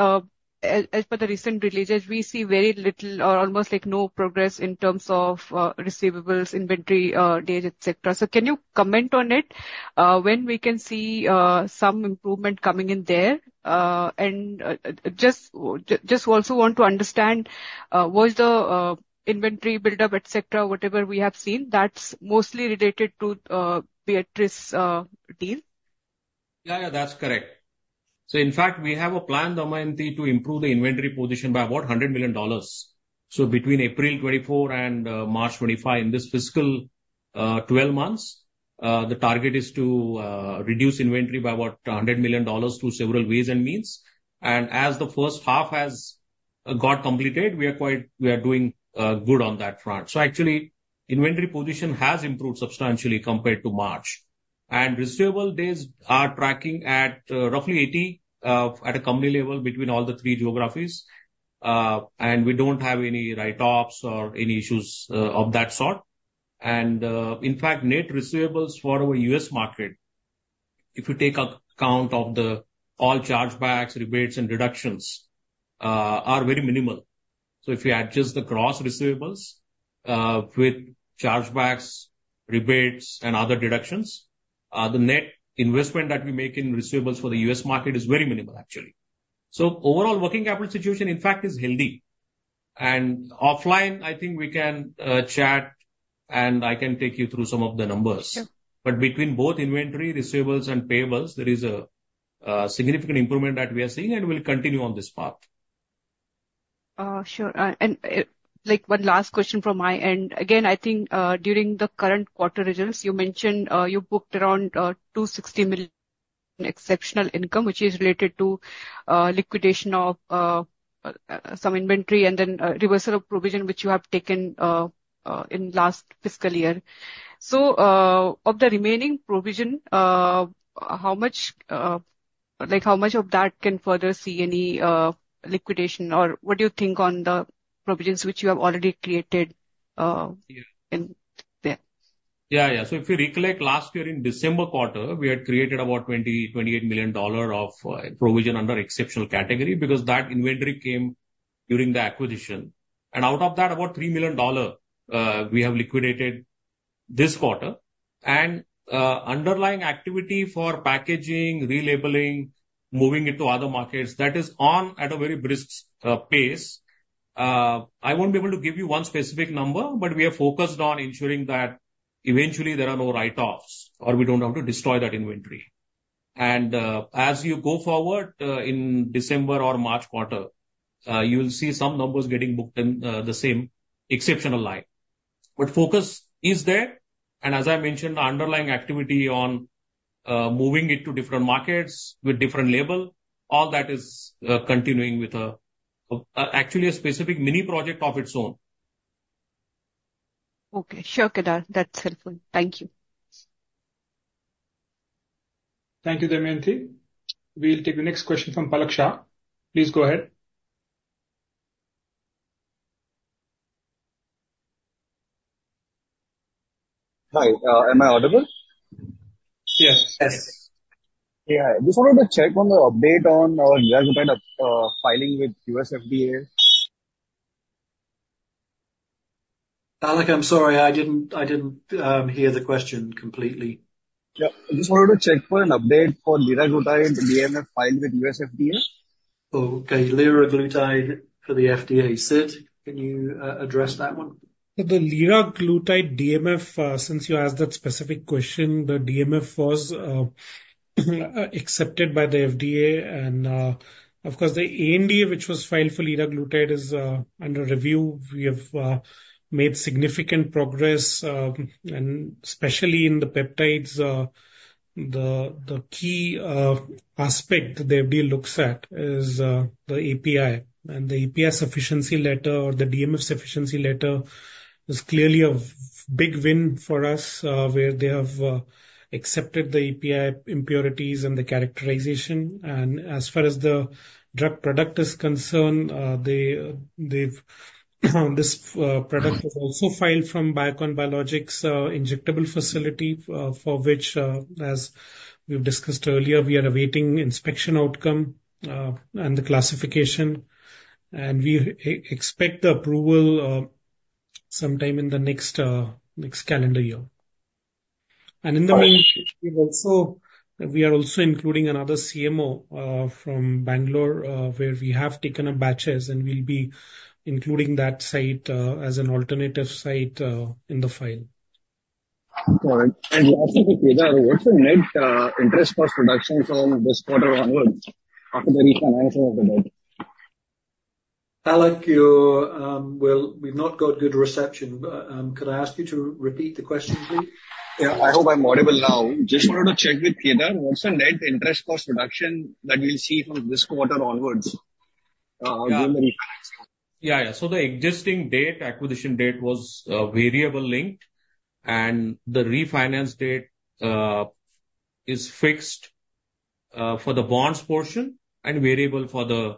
as per the recent releases, we see very little or almost no progress in terms of receivables, inventory days, etc. Can you comment on it when we can see some improvement coming in there? And just also want to understand what's the inventory buildup, etc., whatever we have seen. That's mostly related to Viatris's deal. Yeah, yeah, that's correct. In fact, we have a plan, Damayanti, to improve the inventory position by about $100 million. Between April 2024 and March 2025, in this fiscal 12 months, the target is to reduce inventory by about $100 million through several ways and means. And as the H1 has got completed, we are doing good on that front. Actually, inventory position has improved substantially compared to March. And receivable days are tracking at roughly 80 at a company level between all the three geographies. And we don't have any write-ups or any issues of that sort. In fact, net receivables for our U.S. market, if you take account of all chargebacks, rebates, and deductions, are very minimal. If you adjust the gross receivables with chargebacks, rebates, and other deductions, the net investment that we make in receivables for the U.S. market is very minimal, actually. Overall, working capital situation, in fact, is healthy. Offline, I think we can chat, and I can take you through some of the numbers. Between both inventory, receivables, and payables, there is a significant improvement that we are seeing, and we'll continue on this path. Sure. One last question from my end. Again, I think during the current quarter results, you mentioned you booked around 260 million exceptional income, which is related to liquidation of some inventory and then reversal of provision, which you have taken in last fiscal year. So of the remaining provision, how much of that can further see any liquidation, or what do you think on the provisions which you have already created in there? Yeah, yeah. So if you recollect last year in December quarter, we had created about $28 million of provision under exceptional category because that inventory came during the acquisition. And out of that, about $3 million we have liquidated this quarter. And underlying activity for packaging, relabeling, moving it to other markets, that is on at a very brisk pace. I won't be able to give you one specific number, but we are focused on ensuring that eventually there are no write-offs or we don't have to destroy that inventory. And as you go forward in December or March quarter, you will see some numbers getting booked in the same exceptional line. But focus is there. And as I mentioned, the underlying activity on moving it to different markets with different label, all that is continuing with actually a specific mini project of its own. Okay. Sure, Kedar. That's helpful. Thank you. Thank you, Damayanti. We'll take the next question from Palak Shah. Please go ahead. Hi. Am I audible? Yes. Yes. Yeah. I just wanted to check on the update on our kind of filing with U.S. FDA. Palak, I'm sorry. I didn't hear the question completely. Yep. I just wanted to check for an update for liraglutide DMF filed with U.S. FDA. So, Liraglutide for the FDA ANDA. Can you address that one? The liraglutide DMF, since you asked that specific question, the DMF was accepted by the FDA. And of course, the ANDA, which was filed for liraglutide, is under review. We have made significant progress, and especially in the peptides, the key aspect that the FDA looks at is the API. And the API sufficiency letter or the DMF sufficiency letter is clearly a big win for us where they have accepted the API impurities and the characterization. And as far as the drug product is concerned, this product was also filed from Biocon Biologics' injectable facility for which, as we've discussed earlier, we are awaiting inspection outcome and the classification. And we expect the approval sometime in the next calendar year. And in the meantime, we are also including another CMO from Bangalore where we have taken up batches, and we'll be including that site as an alternative site in the file. All right. And lastly, Kedar, what's the net interest cost reductions on this quarter onwards after the refinancing of the debt? Palak, we've not got good reception. Could I ask you to repeat the question, please? Yeah. I hope I'm audible now. Just wanted to check with Kedar, what's the net interest cost reduction that we'll see from this quarter onwards? I'll give you the refinancing. Yeah, yeah. So the existing debt, acquisition debt was variable linked. And the refinancing debt is fixed for the bonds portion and variable for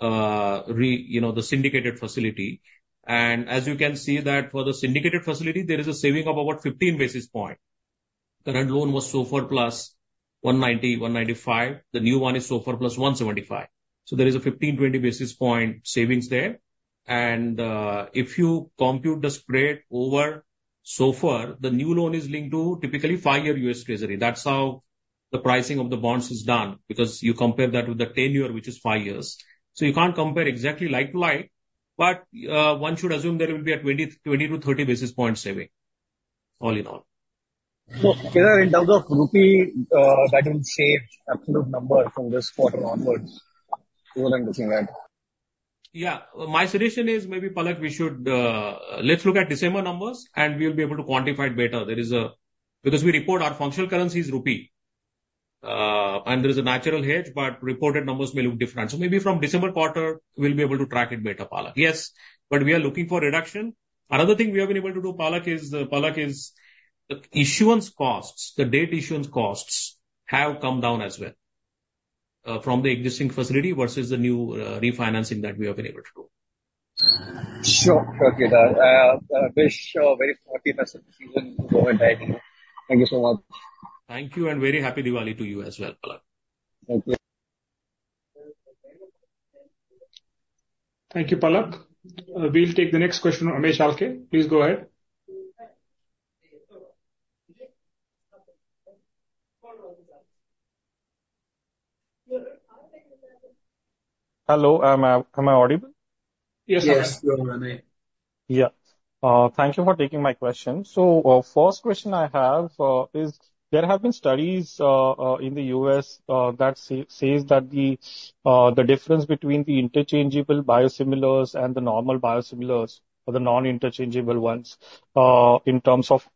the syndicated facility. And as you can see that for the syndicated facility, there is a saving of about 15 basis points. The current loan was SOFR plus 190-195. The new one is SOFR plus 175. So there is a 15-20 basis point savings there. And if you compute the spread over SOFR, the new loan is linked to typically five-year U.S. Treasury. That's how the pricing of the bonds is done because you compare that with the 10-year, which is five years. So you can't compare exactly like to like, but one should assume there will be a 20-30 basis point saving all in all. So Kedar, in terms of Rupee, that will shape absolute number from this quarter onwards. You wouldn't think that. Yeah. My suggestion is maybe, Palak, we should look at December numbers, and we'll be able to quantify it better. Because we report our functional currency is Rupee, and there is a natural hedge, but reported numbers may look different. So maybe from December quarter, we'll be able to track it better, Palak. Yes, but we are looking for reduction. Another thing we have been able to do, Palak, is the debt issuance costs, the debt issuance costs have come down as well from the existing facility versus the new refinancing that we have been able to do. Sure, sure, Kedar. I wish a very happy festive season to you and thank you so much. Thank you. And very happy Diwali to you as well, Palak. Thank you. Thank you, Palak. We'll take the next question from Amey Chalke. Please go ahead. Hello. Am I audible? Yes, sir. Yes, you're on air. Yeah. Thank you for taking my question. So first question I have is there have been studies in the U.S. that say that the difference between the interchangeable biosimilars and the normal biosimilars or the non-interchangeable ones in terms of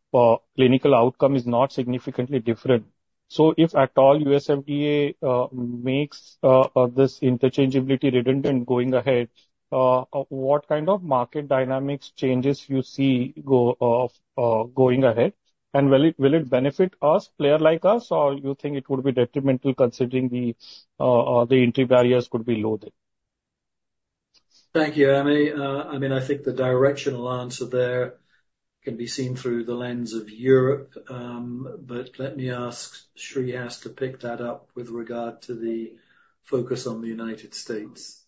clinical outcome is not significantly different. So if at all U.S. FDA makes this interchangeability redundant going ahead, what kind of market dynamics changes you see going ahead? And will it benefit us, players like us, or you think it would be detrimental considering the entry barriers could be low there? Thank you, Amey. I mean, I think the directional answer there can be seen through the lens of Europe. But let me ask Shreehas to pick that up with regard to the focus on the United States.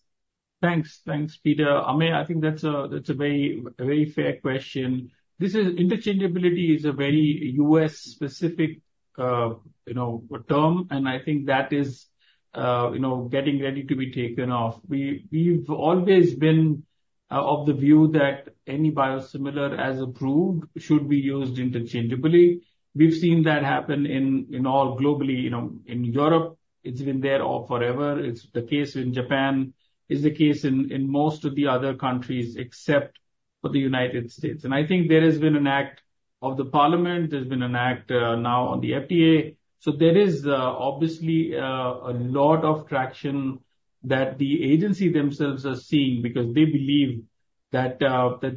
Thanks. Thanks, Peter. Amey, I think that's a very fair question. This is interchangeability is a very U.S.-specific term, and I think that is getting ready to be taken off. We've always been of the view that any biosimilar as approved should be used interchangeably. We've seen that happen in all globally. In Europe, it's been there forever. It's the case in Japan. It's the case in most of the other countries except for the United States, and I think there has been an act of the Parliament. There's been an act now on the FDA, so there is obviously a lot of traction that the agency themselves are seeing because they believe that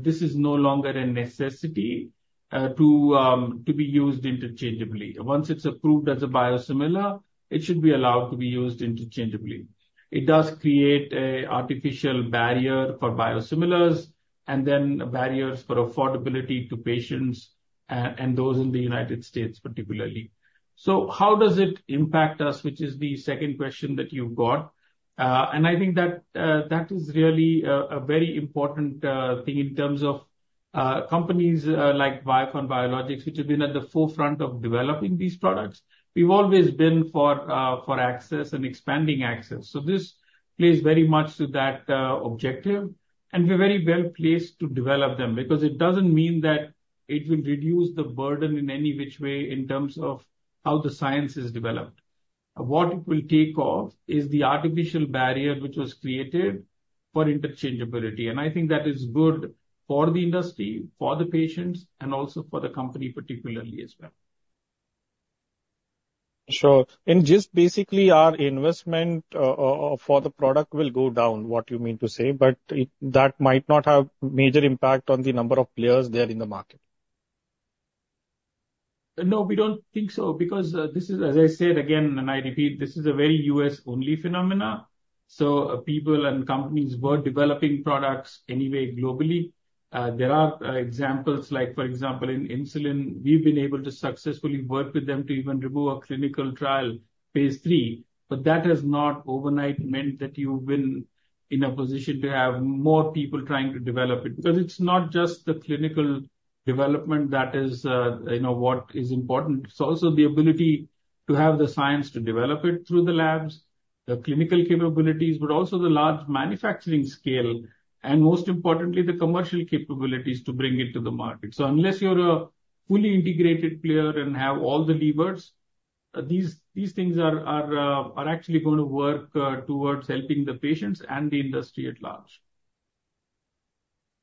this is no longer a necessity to be used interchangeably. Once it's approved as a biosimilar, it should be allowed to be used interchangeably. It does create an artificial barrier for biosimilars and then barriers for affordability to patients and those in the United States particularly. So how does it impact us, which is the second question that you've got? And I think that that is really a very important thing in terms of companies like Biocon Biologics, which have been at the forefront of developing these products. We've always been for access and expanding access. So this plays very much to that objective. And we're very well placed to develop them because it doesn't mean that it will reduce the burden in any which way in terms of how the science is developed. What it will take off is the artificial barrier which was created for interchangeability. And I think that is good for the industry, for the patients, and also for the company particularly as well. Sure. And just basically, our investment for the product will go down, what you mean to say, but that might not have a major impact on the number of players there in the market. No, we don't think so because this is, as I said again, and I repeat, this is a very U.S.-only phenomenon. So people and companies were developing products anyway globally. There are examples like, for example, in insulin, we've been able to successfully work with them to even remove a clinical trial, phase three. But that has not overnight meant that you've been in a position to have more people trying to develop it because it's not just the clinical development that is what is important. It's also the ability to have the science to develop it through the labs, the clinical capabilities, but also the large manufacturing scale, and most importantly, the commercial capabilities to bring it to the market. So unless you're a fully integrated player and have all the levers, these things are actually going to work towards helping the patients and the industry at large.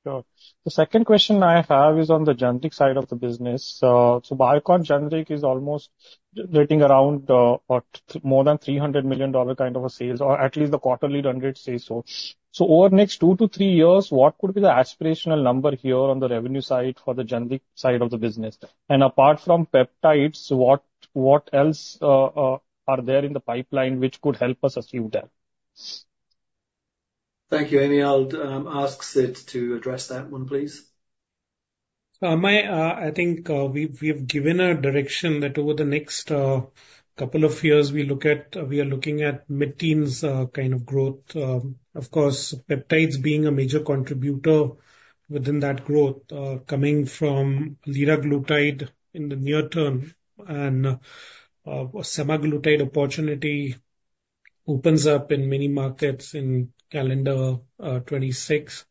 Sure. The second question I have is on the generics side of the business. Biocon Generics is almost getting around more than $300 million kind of a sales, or at least the quarterly run rate says so. Over the next two to three years, what could be the aspirational number here on the revenue side for the generics side of the business? And apart from peptides, what else are there in the pipeline which could help us achieve that? Thank you. Any other? Ask Saurabh to address that one, please? I think we have given a direction that over the next couple of years, we are looking at mid-teens kind of growth. Of course, peptides being a major contributor within that growth coming from Liraglutide in the near term. And Semaglutide opportunity opens up in many markets in calendar 2026.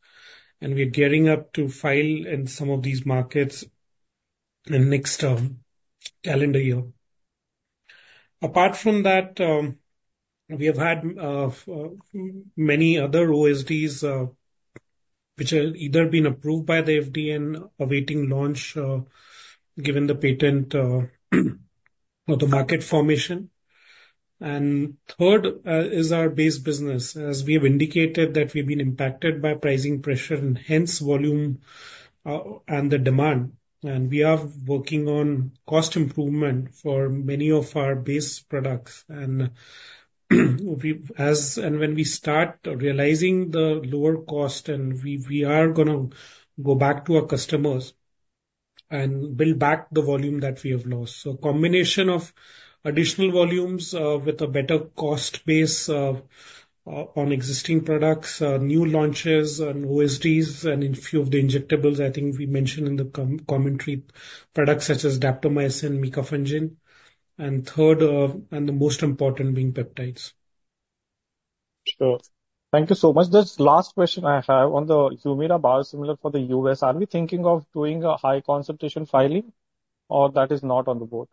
And we are gearing up to file in some of these markets in next calendar year. Apart from that, we have had many other OSDs which have either been approved by the FDA and awaiting launch given the patent or the market formation. And third is our base business. As we have indicated that we've been impacted by pricing pressure and hence volume and the demand. And we are working on cost improvement for many of our base products. And when we start realizing the lower cost, we are going to go back to our customers and build back the volume that we have lost. So a combination of additional volumes with a better cost base on existing products, new launches, and OSDs, and a few of the injectables I think we mentioned in the commentary, products such as Daptomycin, Micafungin. And third, and the most important being peptides. Sure. Thank you so much. This last question I have on the Humira biosimilar for the US, are we thinking of doing a high concentration filing, or that is not on the board?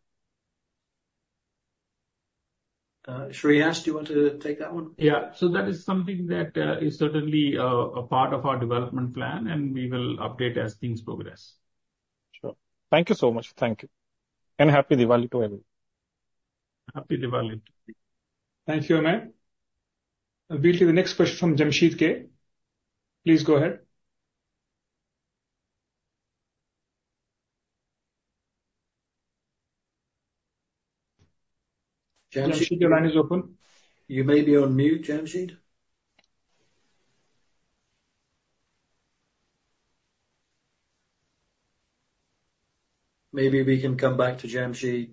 Shreehas, do you want to take that one? Yeah. So that is something that is certainly a part of our development plan, and we will update as things progress. Sure. Thank you so much. Thank you. And happy Diwali to everyone. Happy Diwali. Thank you, Amey. We'll take the next question from Jamsheed K. Please go ahead. Jamsheed, your line is open. You may be on mute, Jamsheed. Maybe we can come back to Jamsheed.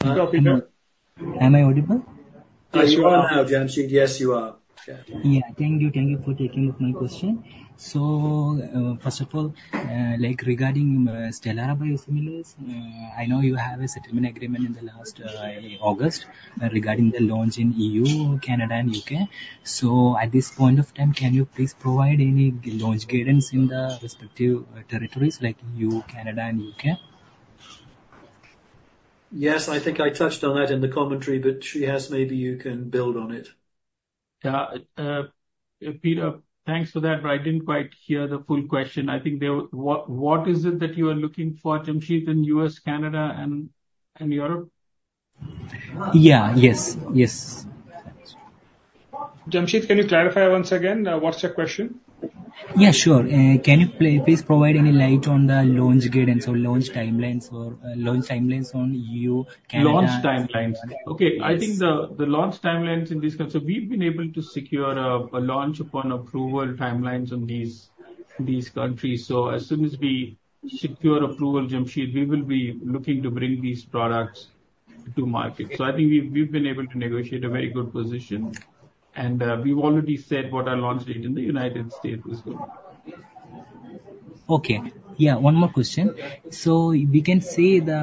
Am I audible? Yes, you are now, Jamsheed. Yes, you are. Yeah. Thank you. Thank you for taking up my question. So first of all, regarding Stelara biosimilars, I know you have a settlement agreement in last August regarding the launch in EU, Canada, and UK. So at this point of time, can you please provide any launch cadence in the respective territories like EU, Canada, and UK? Yes, I think I touched on that in the commentary, but Shreehas, maybe you can build on it. Yeah. Peter, thanks for that, but I didn't quite hear the full question. I think what is it that you are looking for, Jamsheed, in US, Canada, and Europe? Jamsheed, can you clarify once again? What's your question? Yeah, sure. Can you please shed any light on the launch guidance or launch timelines on EU, Canada? Launch timelines. Okay. I think the launch timelines in these countries, so we've been able to secure a launch upon approval timelines in these countries. So as soon as we secure approval, Jamsheed, we will be looking to bring these products to market. So I think we've been able to negotiate a very good position. And we've already said what our launch date in the United States is going to be. Okay. Yeah. One more question. So we can see the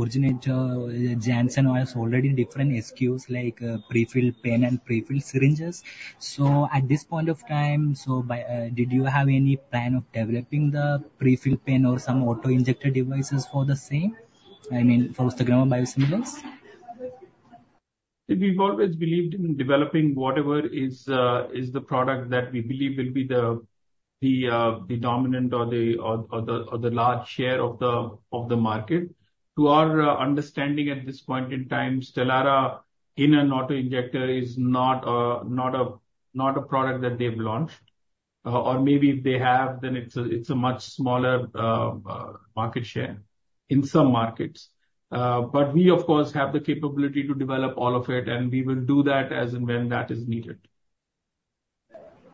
originator, Janssen has already different SKUs like prefill pen and prefill syringes. So at this point of time, did you have any plan of developing the prefill pen or some auto injector devices for the same, I mean, for Ustekinumab biosimilars? We've always believed in developing whatever is the product that we believe will be the dominant or the large share of the market. To our understanding at this point in time, Stelara in an auto injector is not a product that they've launched. Or maybe if they have, then it's a much smaller market share in some markets. But we, of course, have the capability to develop all of it, and we will do that as and when that is needed.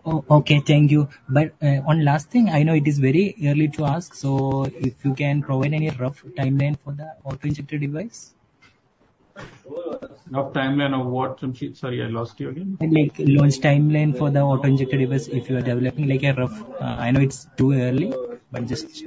Okay. Thank you. But one last thing. I know it is very early to ask, so if you can provide any rough timeline for the auto injector device? Rough timeline of what, Jamshid? Sorry, I lost you again. Like launch timeline for the auto injector device if you are developing a rough, I know it's too early, but just.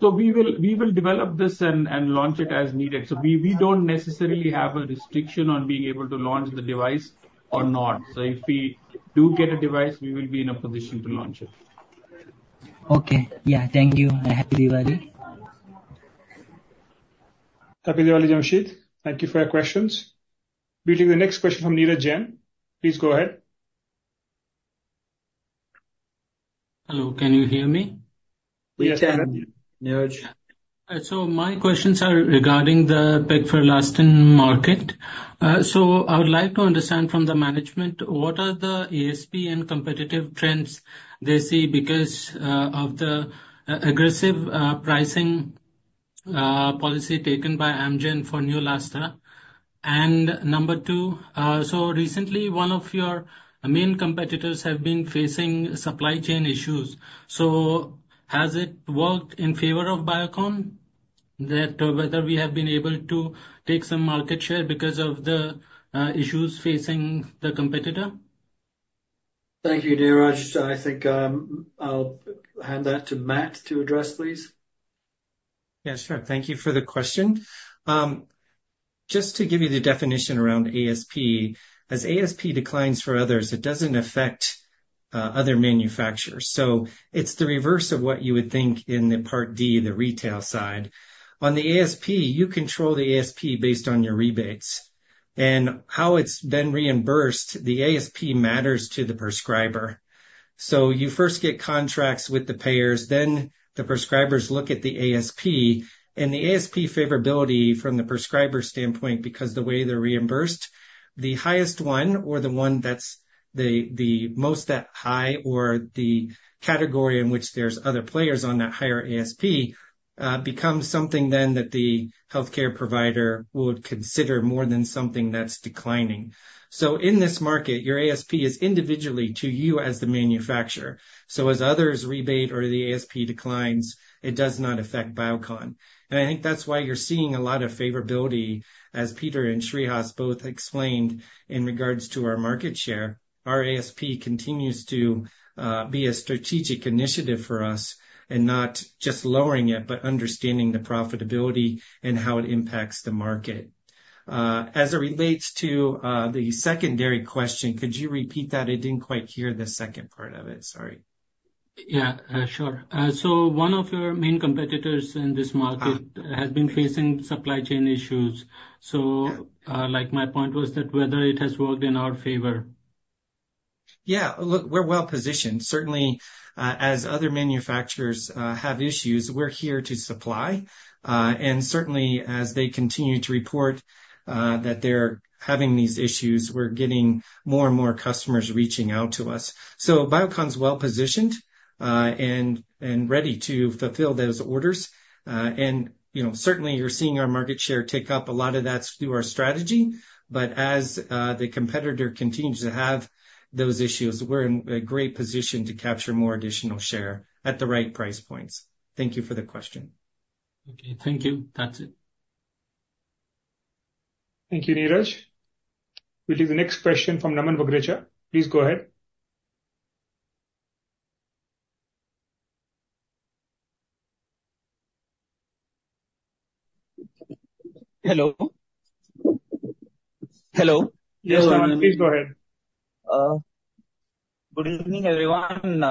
So we will develop this and launch it as needed. So we don't necessarily have a restriction on being able to launch the device or not. So if we do get a device, we will be in a position to launch it. Okay. Yeah. Thank you. Happy Diwali. Happy Diwali, Jamsheed. Thank you for your questions. We'll take the next question from Neeraj Jain. Please go ahead. Hello. Can you hear me? Yes, sir. My questions are regarding the Pegfilgrastim market. I would like to understand from the management what the ASP and competitive trends are that they see because of the aggressive pricing policy taken by Amgen for Neulasta? And number two, recently, one of your main competitors has been facing supply chain issues. Has it worked in favor of Biocon that whether we have been able to take some market share because of the issues facing the competitor? Thank you, Neeraj. I think I'll hand that to Matt to address, please. Yeah, sure. Thank you for the question. Just to give you the definition around ASP, as ASP declines for others, it doesn't affect other manufacturers. It's the reverse of what you would think in the Part D, the retail side. On the ASP, you control the ASP based on your rebates. And how it's then reimbursed, the ASP matters to the prescriber. So you first get contracts with the payers, then the prescribers look at the ASP. And the ASP favorability from the prescriber standpoint, because the way they're reimbursed, the highest one or the one that's the most high or the category in which there's other players on that higher ASP becomes something then that the healthcare provider would consider more than something that's declining. So in this market, your ASP is individually to you as the manufacturer. So as others rebate or the ASP declines, it does not affect Biocon. And I think that's why you're seeing a lot of favorability, as Peter and Shreehas both explained in regards to our market share. Our ASP continues to be a strategic initiative for us and not just lowering it, but understanding the profitability and how it impacts the market. As it relates to the secondary question, could you repeat that? I didn't quite hear the second part of it. Sorry. Yeah, sure. So one of your main competitors in this market has been facing supply chain issues. So my point was that whether it has worked in our favor. Yeah. Look, we're well positioned. Certainly, as other manufacturers have issues, we're here to supply. And certainly, as they continue to report that they're having these issues, we're getting more and more customers reaching out to us. So Biocon's well positioned and ready to fulfill those orders. And certainly, you're seeing our market share tick up. A lot of that's through our strategy. But as the competitor continues to have those issues, we're in a great position to capture more additional share at the right price points. Thank you for the question. Okay. Thank you. That's it. Thank you, Neeraj. We'll take the next question from Naman Bagrecha. Please go ahead. Hello. Hello. Yes, Naman. Please go ahead. Good evening, everyone.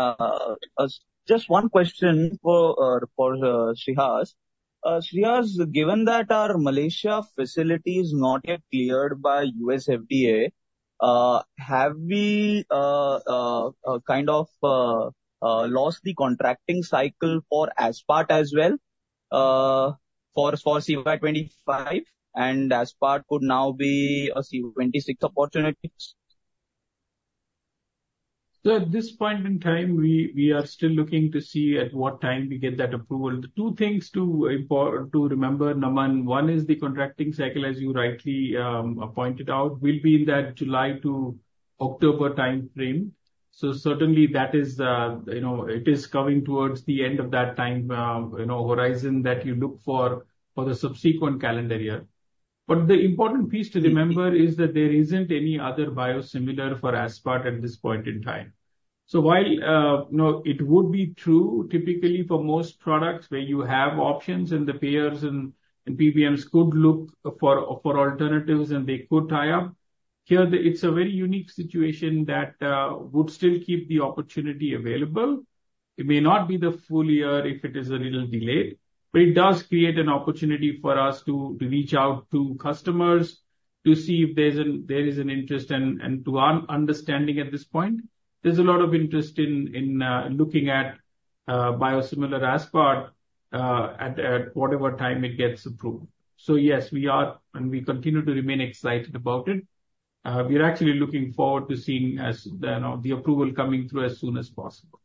Just one question for Shreehas. Shreehas, given that our Malaysia facility is not yet cleared by U.S. FDA, have we kind of lost the contracting cycle for Aspart as well for CY25? And Aspart could now be a CY26 opportunity. So at this point in time, we are still looking to see at what time we get that approval. Two things to remember, Naman. One is the contracting cycle, as you rightly pointed out, will be in that July to October time frame. So certainly, it is coming towards the end of that time horizon that you look for the subsequent calendar year. But the important piece to remember is that there isn't any other biosimilar for Aspart at this point in time. So while it would be true, typically for most products where you have options and the payers and PBMs could look for alternatives and they could tie up, here, it's a very unique situation that would still keep the opportunity available. It may not be the full year if it is a little delayed, but it does create an opportunity for us to reach out to customers to see if there is an interest and to our understanding at this point, there's a lot of interest in looking at biosimilar Aspart at whatever time it gets approved. So yes, we are and we continue to remain excited about it. We are actually looking forward to seeing the approval coming through as soon as possible.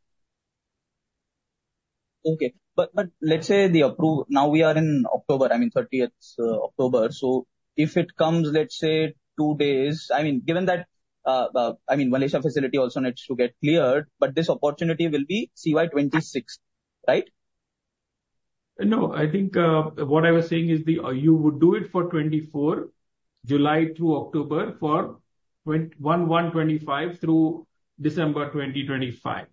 Okay. But let's say the approval, now we are in October, I mean, 30th October. So if it comes, let's say, two days, I mean, given that, I mean, Malaysia facility also needs to get cleared, but this opportunity will be CY26, right? No, I think what I was saying is you would do it for 2024, July through October for January 1, 2025 through December 2025.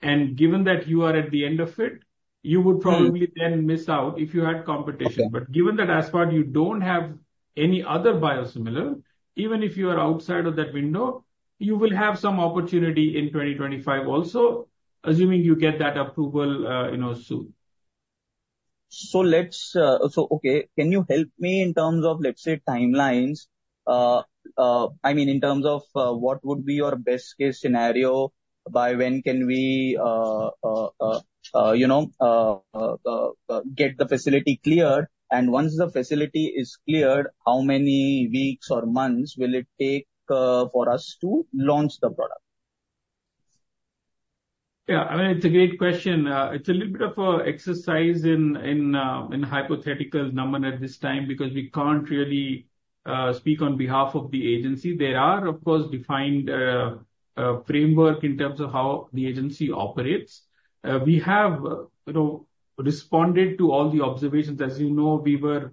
And given that you are at the end of it, you would probably then miss out if you had competition. But given that Aspart, you don't have any other biosimilar, even if you are outside of that window, you will have some opportunity in 2025 also, assuming you get that approval soon. So okay, can you help me in terms of, let's say, timelines? I mean, in terms of what would be your best-case scenario by when can we get the facility cleared? And once the facility is cleared, how many weeks or months will it take for us to launch the product? Yeah. I mean, it's a great question. It's a little bit of an exercise in hypothetical, Naman, at this time because we can't really speak on behalf of the agency. There are, of course, defined framework in terms of how the agency operates. We have responded to all the observations. As you know, we were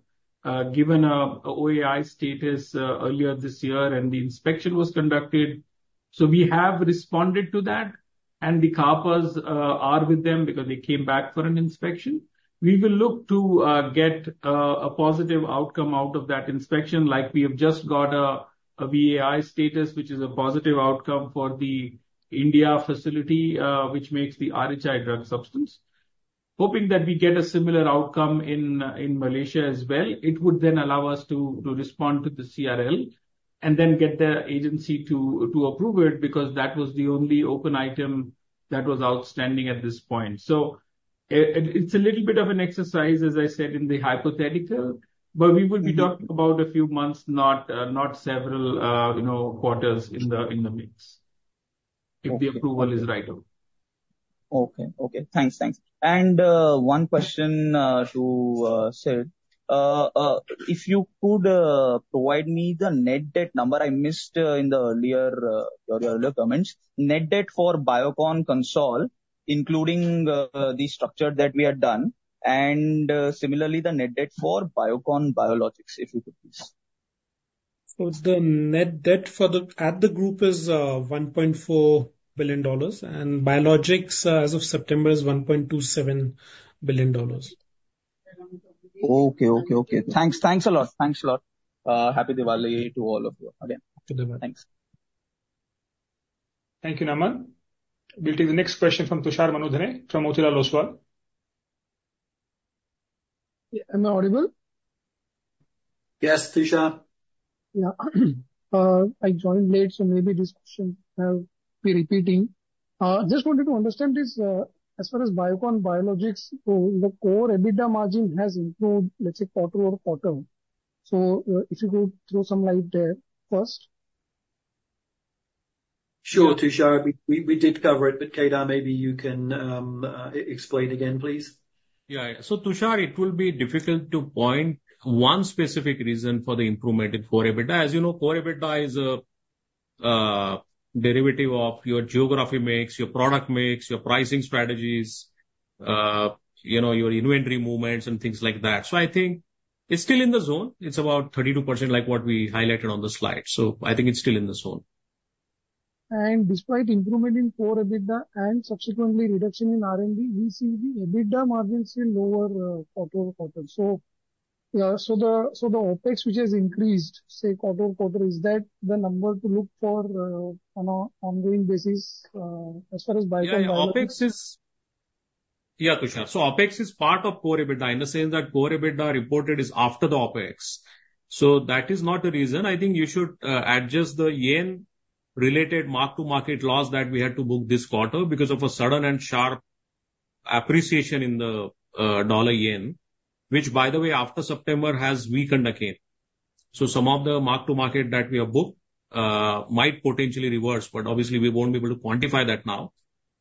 given an OAI status earlier this year, and the inspection was conducted. So we have responded to that, and the CAPAs are with them because they came back for an inspection. We will look to get a positive outcome out of that inspection. We have just got a VAI status, which is a positive outcome for the India facility, which makes the RHI drug substance. Hoping that we get a similar outcome in Malaysia as well. It would then allow us to respond to the CRL and then get the agency to approve it because that was the only open item that was outstanding at this point. So it's a little bit of an exercise, as I said, in the hypothetical, but we will be talking about a few months, not several quarters in the mix if the approval is right. Okay. Okay. Thanks. Thanks. And one question to Sir. If you could provide me the net debt number I missed in the earlier comments, net debt for Biocon Consolidated, including the structure that we had done, and similarly, the net debt for Biocon Biologics, if you could, please. The net debt for the group is $1.4 billion, and Biologics as of September is $1.27 billion. Okay. Thanks a lot. Happy Diwali to all of you. Again, thanks. Thank you, Naman. We'll take the next question from Tushar Manudhane from Motilal Oswal. Am I audible? Yes, Tushar. Yeah. I joined late, so maybe this question will be repeating. Just wanted to understand this. As far as Biocon Biologics, the core EBITDA margin has improved, let's say, quarter over quarter. So if you could throw some light there first. Sure, Tushar. We did cover it, but Kedar, maybe you can explain again, please. Yeah. So Tushar, it will be difficult to point one specific reason for the improvement in core EBITDA. As you know, core EBITDA is a derivative of your geography mix, your product mix, your pricing strategies, your inventory movements, and things like that. So I think it's still in the zone. It's about 32% like what we highlighted on the slide. So I think it's still in the zone. And despite improvement in core EBITDA and subsequently reduction in R&D, we see the EBITDA margin still lower quarter over quarter. So the OpEx, which has increased, say, quarter over quarter, is that the number to look for on an ongoing basis as far as Biocon Biologics? Yeah, Tushar. So OpEx is part of core EBITDA in the sense that core EBITDA reported is after the OpEx. So that is not a reason. I think you should adjust the yen-related mark-to-market loss that we had to book this quarter because of a sudden and sharp appreciation in the dollar yen, which, by the way, after September has weakened again. So some of the mark-to-market that we have booked might potentially reverse, but obviously, we won't be able to quantify that now.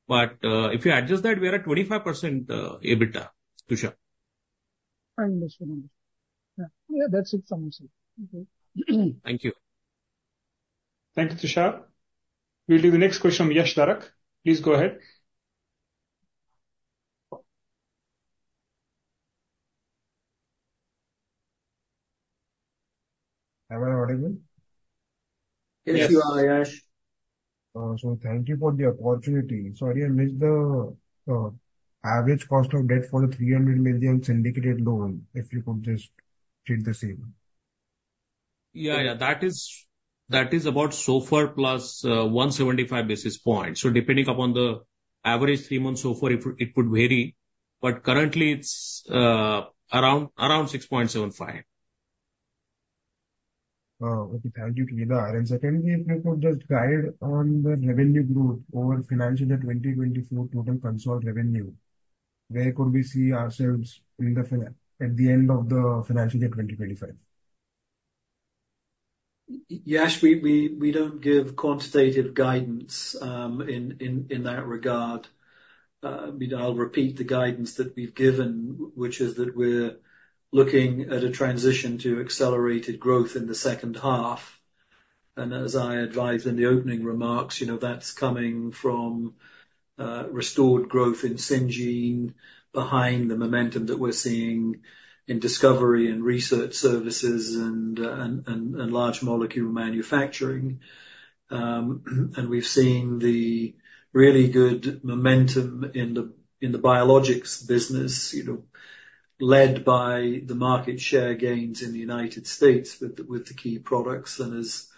But if you adjust that, we are at 25% EBITDA, Tushar. Understood. Yeah, that's it from me. Thank you. Thank you, Tushar. We'll take the next question from Yash Darak. Please go ahead. am i audible. Yes, you are, Yash. So thank you for the opportunity. Sorry, I missed the average cost of debt for the $300 million syndicated loan, if you could just repeat the same. Yeah, yeah. That is about SOFR plus 175 basis points. So depending upon the average three-month SOFR, it could vary. But currently, it's around 6.75%. It depends on the uncertain. Certainly, if you could just guide on the revenue growth over financial year 2024 total consolidated revenue, where could we see ourselves at the end of the financial year 2025? Yash, we don't give quantitative guidance in that regard. I'll repeat the guidance that we've given, which is that we're looking at a transition to accelerated growth in the H2. And as I advised in the opening remarks, that's coming from restored growth in Syngene behind the momentum that we're seeing in discovery and research services and large molecule manufacturing. And we've seen the really good momentum in the biologics business led by the market share gains in the United States with the key products. As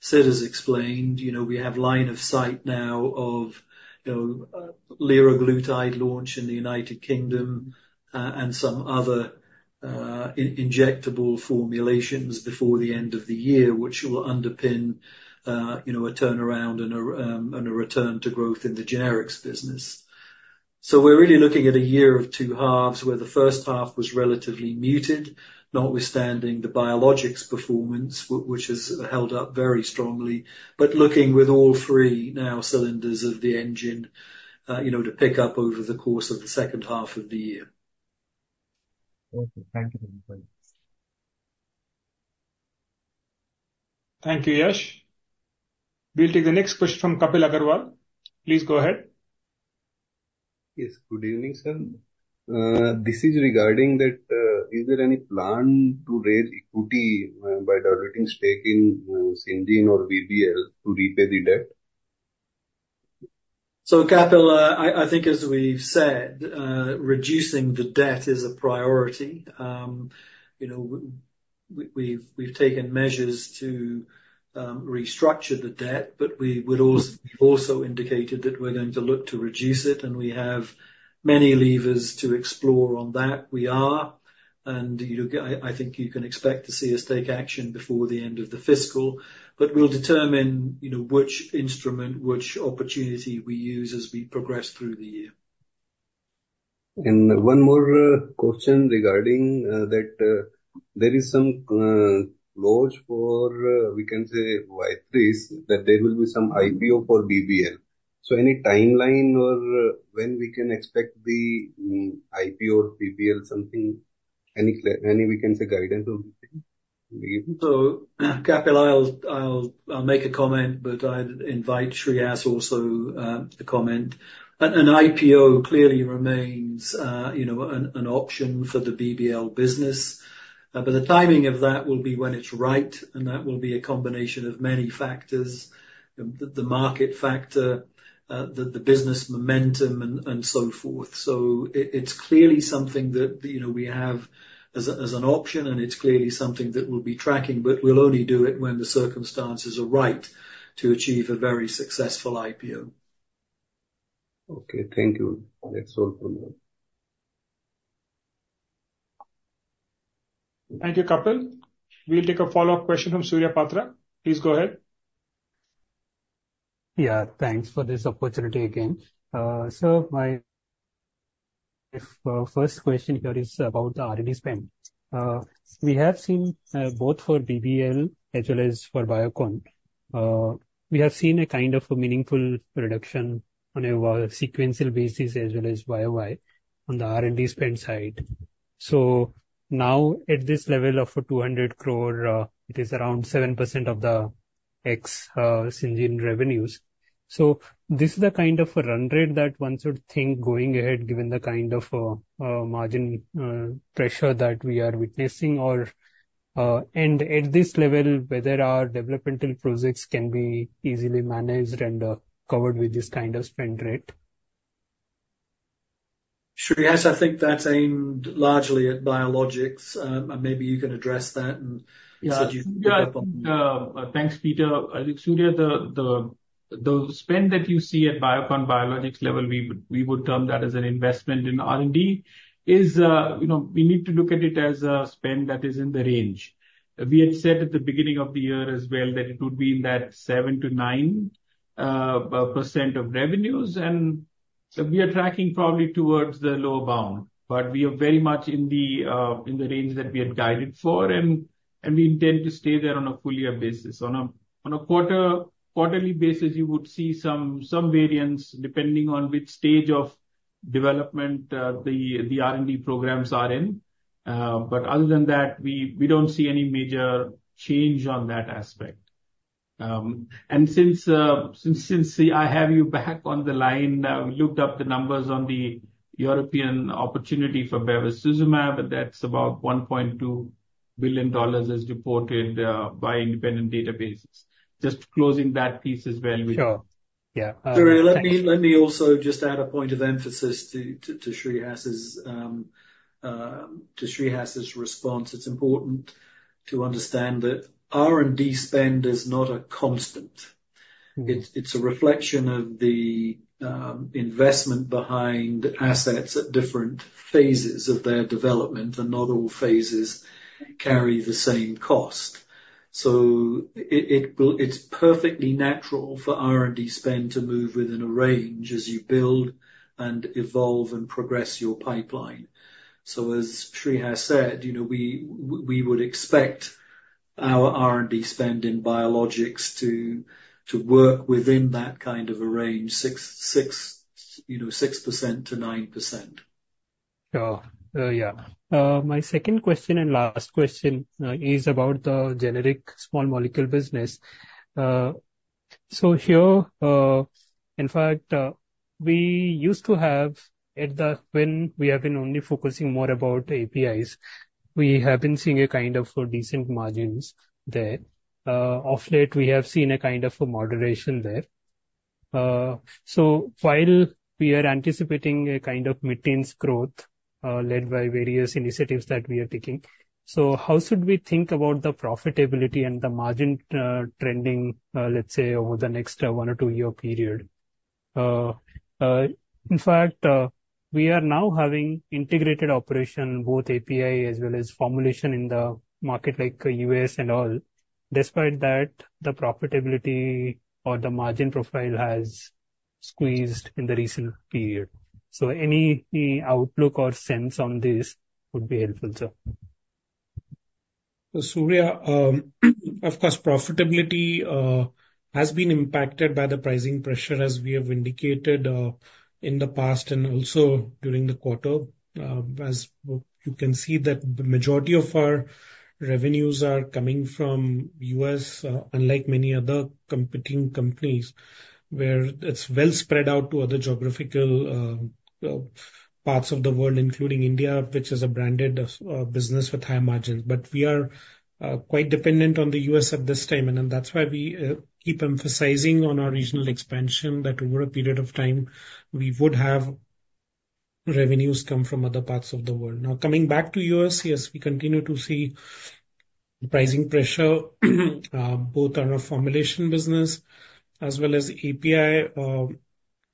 Sid has explained, we have line of sight now of Liraglutide launch in the United Kingdom and some other injectable formulations before the end of the year, which will underpin a turnaround and a return to growth in the generics business. We're really looking at a year of two halves where the H1 was relatively muted, notwithstanding the biologics performance, which has held up very strongly, but looking with all three now cylinders of the engine to pick up over the course of the H2 of the year. Thank you. Thank you, Yash. We'll take the next question from Kapil Agarwal. Please go ahead. Yes. Good evening, sir. This is regarding that. Is there any plan to raise equity by diluting stake in Syngene or BBL to repay the debt? So Kapil, I think, as we've said, reducing the debt is a priority. We've taken measures to restructure the debt, but we've also indicated that we're going to look to reduce it, and we have many levers to explore on that. We are. I think you can expect to see us take action before the end of the fiscal, but we'll determine which instrument, which opportunity we use as we progress through the year. One more question regarding that: there is some clause for, we can say, yes, that there will be some IPO for BBL. So any timeline or when we can expect the IPO or BBL, something, any we can say guidance on? So Kapil, I'll make a comment, but I'd invite Shreehas also to comment. An IPO clearly remains an option for the BBL business, but the timing of that will be when it's right, and that will be a combination of many factors: the market factor, the business momentum, and so forth. So it's clearly something that we have as an option, and it's clearly something that we'll be tracking, but we'll only do it when the circumstances are right to achieve a very successful IPO. Okay. Thank you. That's all for now. Thank you, Kapil. We'll take a follow-up question from Surya Patra. Please go ahead. Yeah. Thanks for this opportunity again. So my first question here is about the R&D spend. We have seen both for BBL as well as for Biocon. We have seen a kind of meaningful reduction on a sequential basis as well as YOY on the R&D spend side. So now, at this level of 200 crore, it is around 7% of the ex-Syngene revenues. So this is the kind of a run rate that one should think going ahead, given the kind of margin pressure that we are witnessing. And at this level, whether our developmental projects can be easily managed and covered with this kind of spend rate? Sure. Yes, I think that's aimed largely at biologics. Maybe you can address that and. Yeah. Thanks, Peter. Surya, the spend that you see at Biocon Biologics level, we would term that as an investment in R&D. Is we need to look at it as a spend that is in the range. We had said at the beginning of the year as well that it would be in that 7%-9% of revenues, and we are tracking probably towards the lower bound, but we are very much in the range that we had guided for, and we intend to stay there on a full-year basis. On a quarterly basis, you would see some variance depending on which stage of development the R&D programs are in. But other than that, we don't see any major change on that aspect. And since I have you back on the line, I looked up the numbers on the European opportunity for Bevacizumab, and that's about $1.2 billion as reported by independent databases. Just closing that piece as well. Sure. Yeah. I mean, let me also just add a point of emphasis to Shreehas's response. It's important to understand that R&D spend is not a constant. It's a reflection of the investment behind assets at different phases of their development, and not all phases carry the same cost. So it's perfectly natural for R&D spend to move within a range as you build and evolve and progress your pipeline. So as Shreehas said, we would expect our R&D spend in biologics to work within that kind of a range, 6%-9%. Sure. Yeah. My second question and last question is about the generic small molecule business. So here, in fact, we used to have when we have been only focusing more about APIs, we have been seeing a kind of decent margins there. Of late, we have seen a kind of moderation there. So while we are anticipating a kind of maintenance growth led by various initiatives that we are taking, so how should we think about the profitability and the margin trending, let's say, over the next one- or two-year period? In fact, we are now having integrated operations, both API as well as formulations in the markets like the U.S. and all. Despite that, the profitability or the margin profile has squeezed in the recent period. So any outlook or sense on this would be helpful, sir. Surya, of course, profitability has been impacted by the pricing pressure, as we have indicated in the past and also during the quarter. As you can see, the majority of our revenues are coming from the U.S., unlike many other competing companies where it's well spread out to other geographical parts of the world, including India, which is a branded business with high margins. But we are quite dependent on the U.S. at this time, and that's why we keep emphasizing on our regional expansion that over a period of time, we would have revenues come from other parts of the world. Now, coming back to the U.S., yes, we continue to see pricing pressure both on our formulation business as well as API,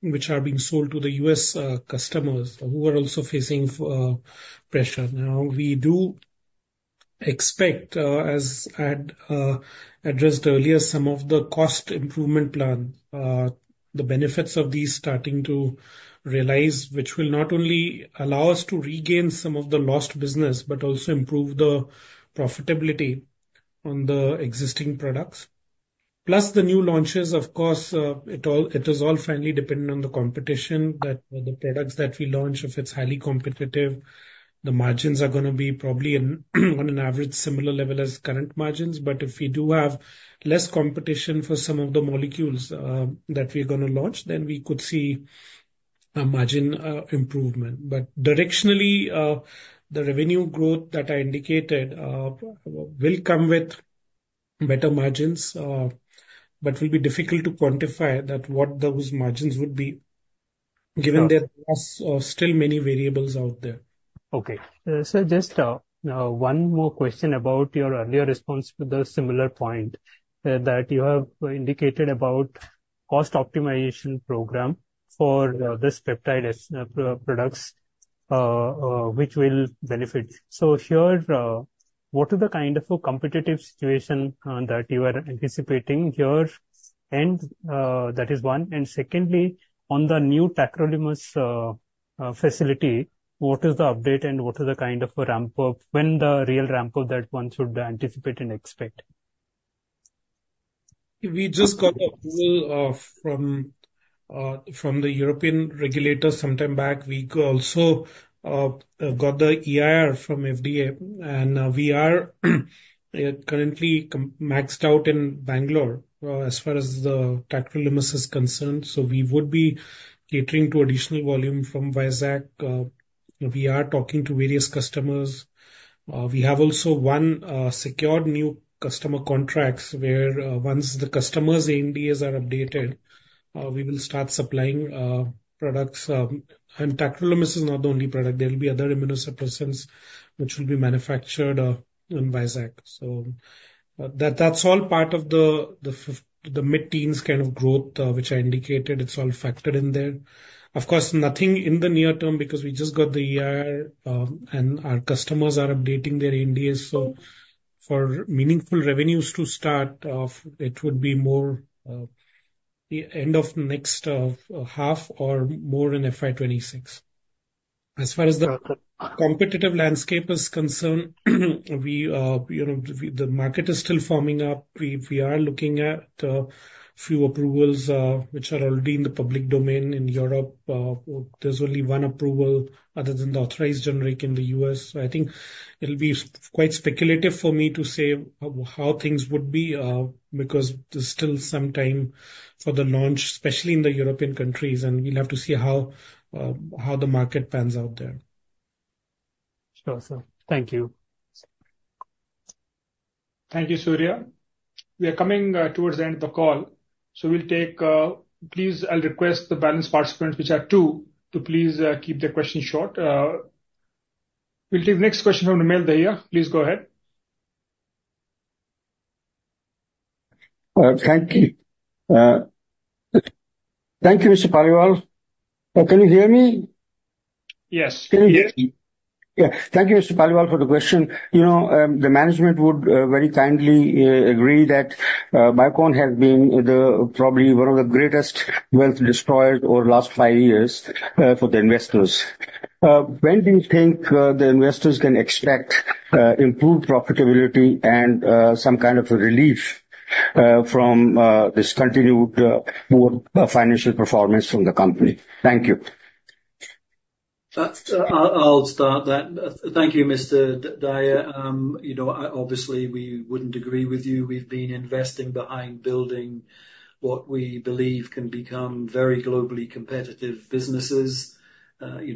which are being sold to the U.S. customers who are also facing pressure. Now, we do expect, as I addressed earlier, some of the cost improvement plan, the benefits of these starting to realize, which will not only allow us to regain some of the lost business, but also improve the profitability on the existing products. Plus, the new launches, of course, it is all finally dependent on the competition that the products that we launch. If it's highly competitive, the margins are going to be probably on an average similar level as current margins. But if we do have less competition for some of the molecules that we're going to launch, then we could see a margin improvement. But directionally, the revenue growth that I indicated will come with better margins, but it will be difficult to quantify what those margins would be given there are still many variables out there. Okay. Sir, just one more question about your earlier response to the similar point that you have indicated about the cost optimization program for these peptide products, which will benefit. So here, what is the kind of a competitive situation that you are anticipating here? And that is one. And secondly, on the new tacrolimus facility, what is the update and what is the kind of a ramp-up when the real ramp-up that one should anticipate and expect? We just got approval from the European regulator sometime back. We also got the EIR from FDA, and we are currently maxed out in Bangalore as far as the tacrolimus is concerned. So we would be catering to additional volume from Vizag. We are talking to various customers. We have also one secured new customer contract where, once the customer's ANDAs are updated, we will start supplying products. And tacrolimus is not the only product. There will be other immunosuppressants which will be manufactured in Vizag. So that's all part of the mid-teens kind of growth, which I indicated. It's all factored in there. Of course, nothing in the near term because we just got the EIR, and our customers are updating their AMDs. So for meaningful revenues to start, it would be more the end of next half or more in FY26. As far as the competitive landscape is concerned, the market is still forming up. We are looking at a few approvals which are already in the public domain in Europe. There's only one approval other than the authorized generic in the US. So I think it'll be quite speculative for me to say how things would be because there's still some time for the launch, especially in the European countries, and we'll have to see how the market pans out there. Sure, sir. Thank you. Thank you, Surya. We are coming towards the end of the call. So please, I'll request the balance participants, which are two, to please keep their questions short. We'll take the next question from Numail Dahiya. Please go ahead. Thank you. Thank you, Mr. Paliwal. Can you hear me? Yes. Can you hear me? Yeah. Thank you, Mr. Paliwal, for the question. The management would very kindly agree that Biocon has been probably one of the greatest wealth destroyers over the last five years for the investors. When do you think the investors can expect improved profitability and some kind of a relief from this continued poor financial performance from the company? Thank you. I'll start that. Thank you, Mr. Dahiya. Obviously, we wouldn't agree with you. We've been investing behind building what we believe can become very globally competitive businesses. Syngene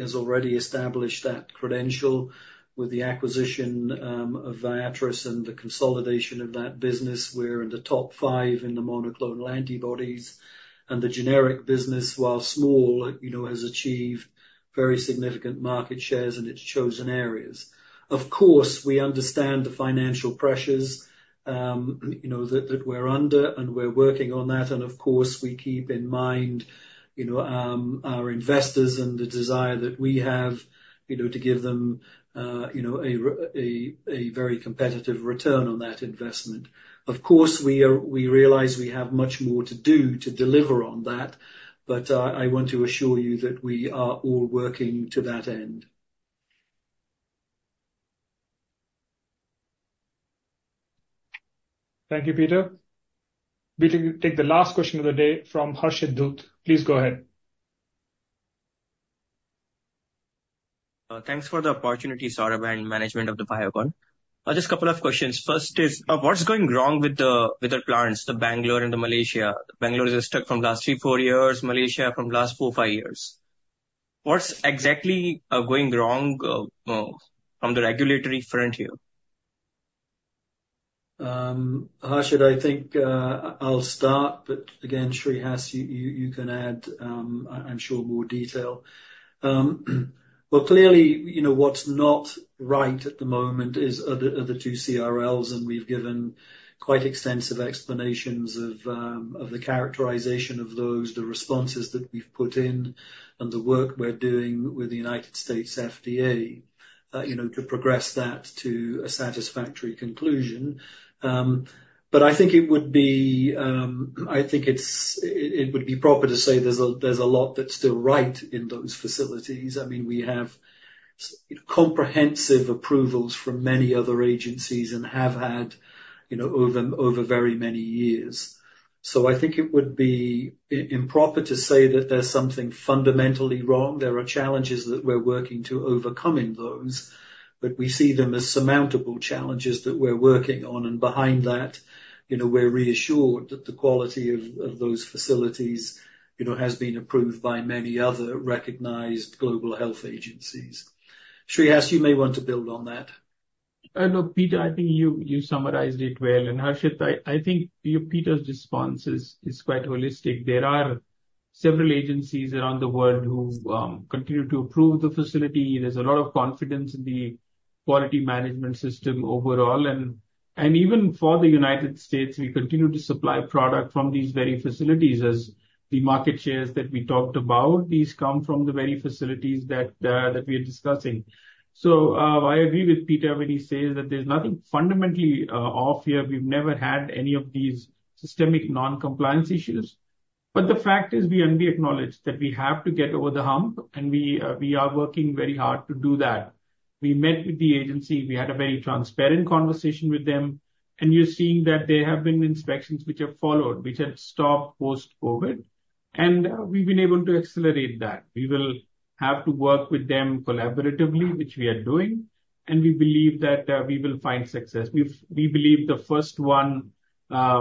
has already established that credential with the acquisition of Viatris and the consolidation of that business. We're in the top five in the monoclonal antibodies. And the generic business, while small, has achieved very significant market shares in its chosen areas. Of course, we understand the financial pressures that we're under, and we're working on that. And of course, we keep in mind our investors and the desire that we have to give them a very competitive return on that investment. Of course, we realize we have much more to do to deliver on that, but I want to assure you that we are all working to that end. Thank you, Peter. We'll take the last question of the day from Harshit Dutt. Please go ahead. Thanks for the opportunity, Saurabh, and management of the Biocon. Just a couple of questions. First is, what's going wrong with the plants, the Bangalore and the Malaysia? Bangalore is stuck from the last three, four years. Malaysia, from the last four, five years. What's exactly going wrong from the regulatory front here? Harshit, I think I'll start, but again, Surya, you can add, I'm sure, more detail. But clearly, what's not right at the moment are the two CRLs, and we've given quite extensive explanations of the characterization of those, the responses that we've put in, and the work we're doing with the U.S. FDA to progress that to a satisfactory conclusion. But I think it would be proper to say there's a lot that's still right in those facilities. I mean, we have comprehensive approvals from many other agencies and have had over very many years. So I think it would be improper to say that there's something fundamentally wrong. There are challenges that we're working to overcome in those, but we see them as surmountable challenges that we're working on, and behind that, we're reassured that the quality of those facilities has been approved by many other recognized global health agencies. Surya, you may want to build on that. No, Peter, I think you summarized it well, and Harshit, I think Peter's response is quite holistic. There are several agencies around the world who continue to approve the facility. There's a lot of confidence in the quality management system overall, and even for the United States, we continue to supply product from these very facilities as the market shares that we talked about, these come from the very facilities that we are discussing, so I agree with Peter when he says that there's nothing fundamentally off here. We've never had any of these systemic non-compliance issues. But the fact is we acknowledge that we have to get over the hump, and we are working very hard to do that. We met with the agency. We had a very transparent conversation with them. And you're seeing that there have been inspections which have followed, which had stopped post-COVID. And we've been able to accelerate that. We will have to work with them collaboratively, which we are doing. And we believe that we will find success. We believe the first one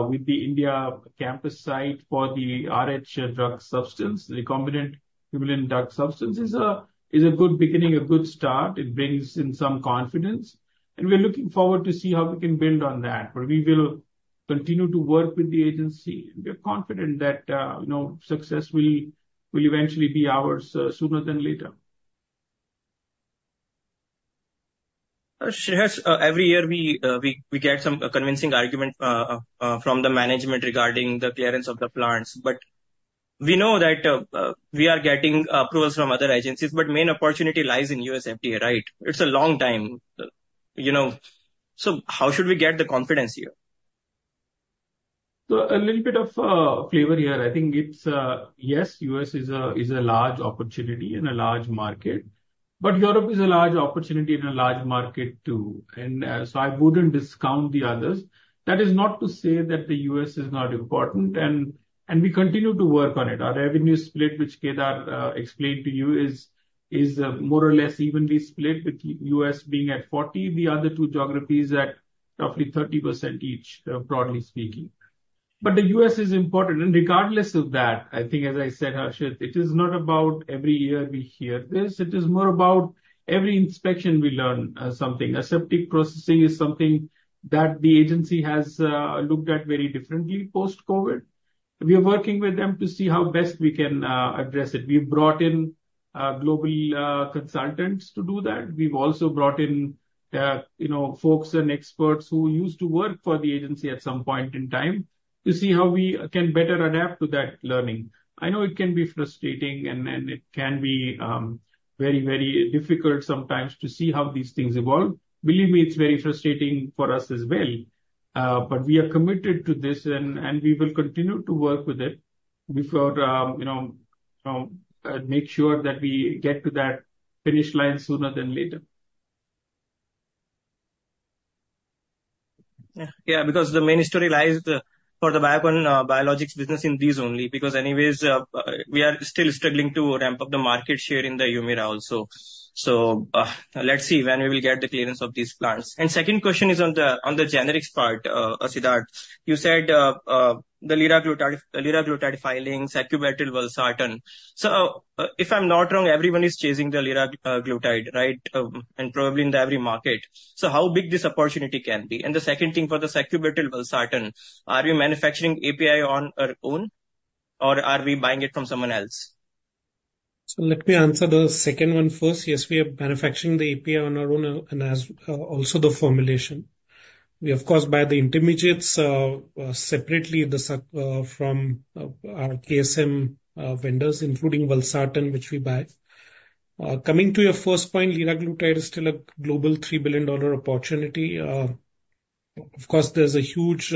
with the India campus site for the RH Insulin drug substance, the combined human insulin drug substance, is a good beginning, a good start. It brings in some confidence. And we're looking forward to see how we can build on that. But we will continue to work with the agency. We are confident that success will eventually be ours sooner than later. Every year, we get some convincing argument from the management regarding the clearance of the plants. But we know that we are getting approvals from other agencies, but the main opportunity lies in U.S. FDA, right? It's a long time. So how should we get the confidence here? So a little bit of flavor here. I think it's, yes, U.S. is a large opportunity and a large market, but Europe is a large opportunity and a large market too. And so I wouldn't discount the others. That is not to say that the U.S. is not important. And we continue to work on it. Our revenue split, which Kedar explained to you, is more or less evenly split, with the U.S. being at 40%, the other two geographies at roughly 30% each, broadly speaking. But the U.S. is important. Regardless of that, I think, as I said, Harshit, it is not about every year we hear this. It is more about every inspection we learn something. Aseptic processing is something that the agency has looked at very differently post-COVID. We are working with them to see how best we can address it. We've brought in global consultants to do that. We've also brought in folks and experts who used to work for the agency at some point in time to see how we can better adapt to that learning. I know it can be frustrating, and it can be very, very difficult sometimes to see how these things evolve. Believe me, it's very frustrating for us as well. But we are committed to this, and we will continue to work with it to make sure that we get to that finish line sooner than later. Yeah, because the main story lies for the Biocon Biologics business in these only because anyways, we are still struggling to ramp up the market share in the Humira also. So let's see when we will get the clearance of these plants. And the second question is on the generics part, Siddharth. You said the Liraglutide filings, Sacubitril/Valsartan. So if I'm not wrong, everyone is chasing the Liraglutide, right? And probably in the every market. So how big this opportunity can be? And the second thing for the Sacubitril/Valsartan, are we manufacturing API on our own, or are we buying it from someone else? So let me answer the second one first. Yes, we are manufacturing the API on our own and also the formulation. We, of course, buy the intermediates separately from our KSM vendors, including valsartan, which we buy. Coming to your first point, liraglutide is still a global $3 billion opportunity. Of course, there's a huge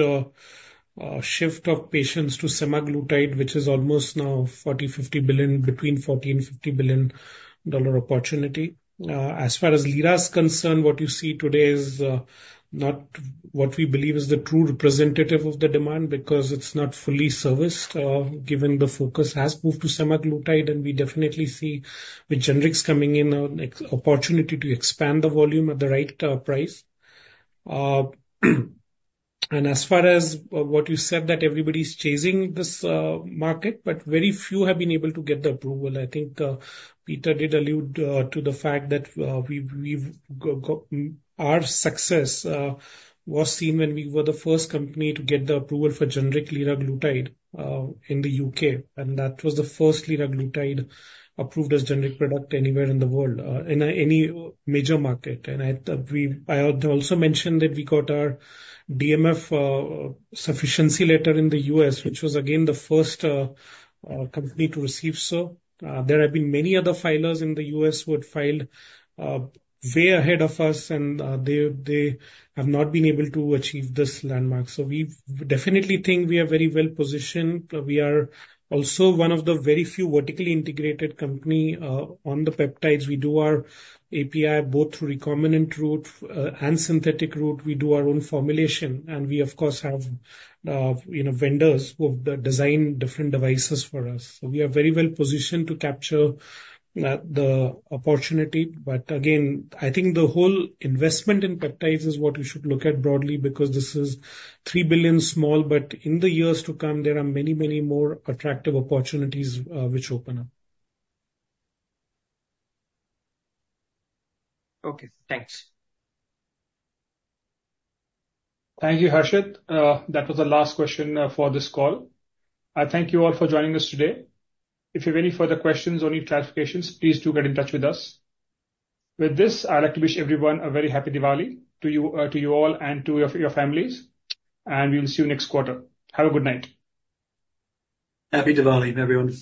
shift of patients to semaglutide, which is almost now $40 billion-50 billion, between $40 billion and $50 billion dollar opportunity. As far as lira's concerned, what you see today is not what we believe is the true representative of the demand because it's not fully serviced given the focus has moved to semaglutide, and we definitely see with generics coming in an opportunity to expand the volume at the right price, and as far as what you said, that everybody's chasing this market, but very few have been able to get the approval. I think Peter did allude to the fact that our success was seen when we were the first company to get the approval for generic liraglutide in the U.K. That was the first Liraglutide approved as generic product anywhere in the world in any major market. I also mentioned that we got our DMF sufficiency letter in the U.S., which was, again, the first company to receive so. There have been many other filers in the U.S. who had filed way ahead of us, and they have not been able to achieve this landmark. We definitely think we are very well positioned. We are also one of the very few vertically integrated companies on the peptides. We do our API both through recombinant route and synthetic route. We do our own formulation. We, of course, have vendors who design different devices for us. We are very well positioned to capture the opportunity. But again, I think the whole investment in peptides is what you should look at broadly because this is $3 billion small, but in the years to come, there are many, many more attractive opportunities which open up. Okay. Thanks. Thank you, Harshit. That was the last question for this call. I thank you all for joining us today. If you have any further questions or need clarifications, please do get in touch with us. With this, I'd like to wish everyone a very happy Diwali, to you all and to your families, and we'll see you next quarter. Have a good night. Happy Diwali, everyone.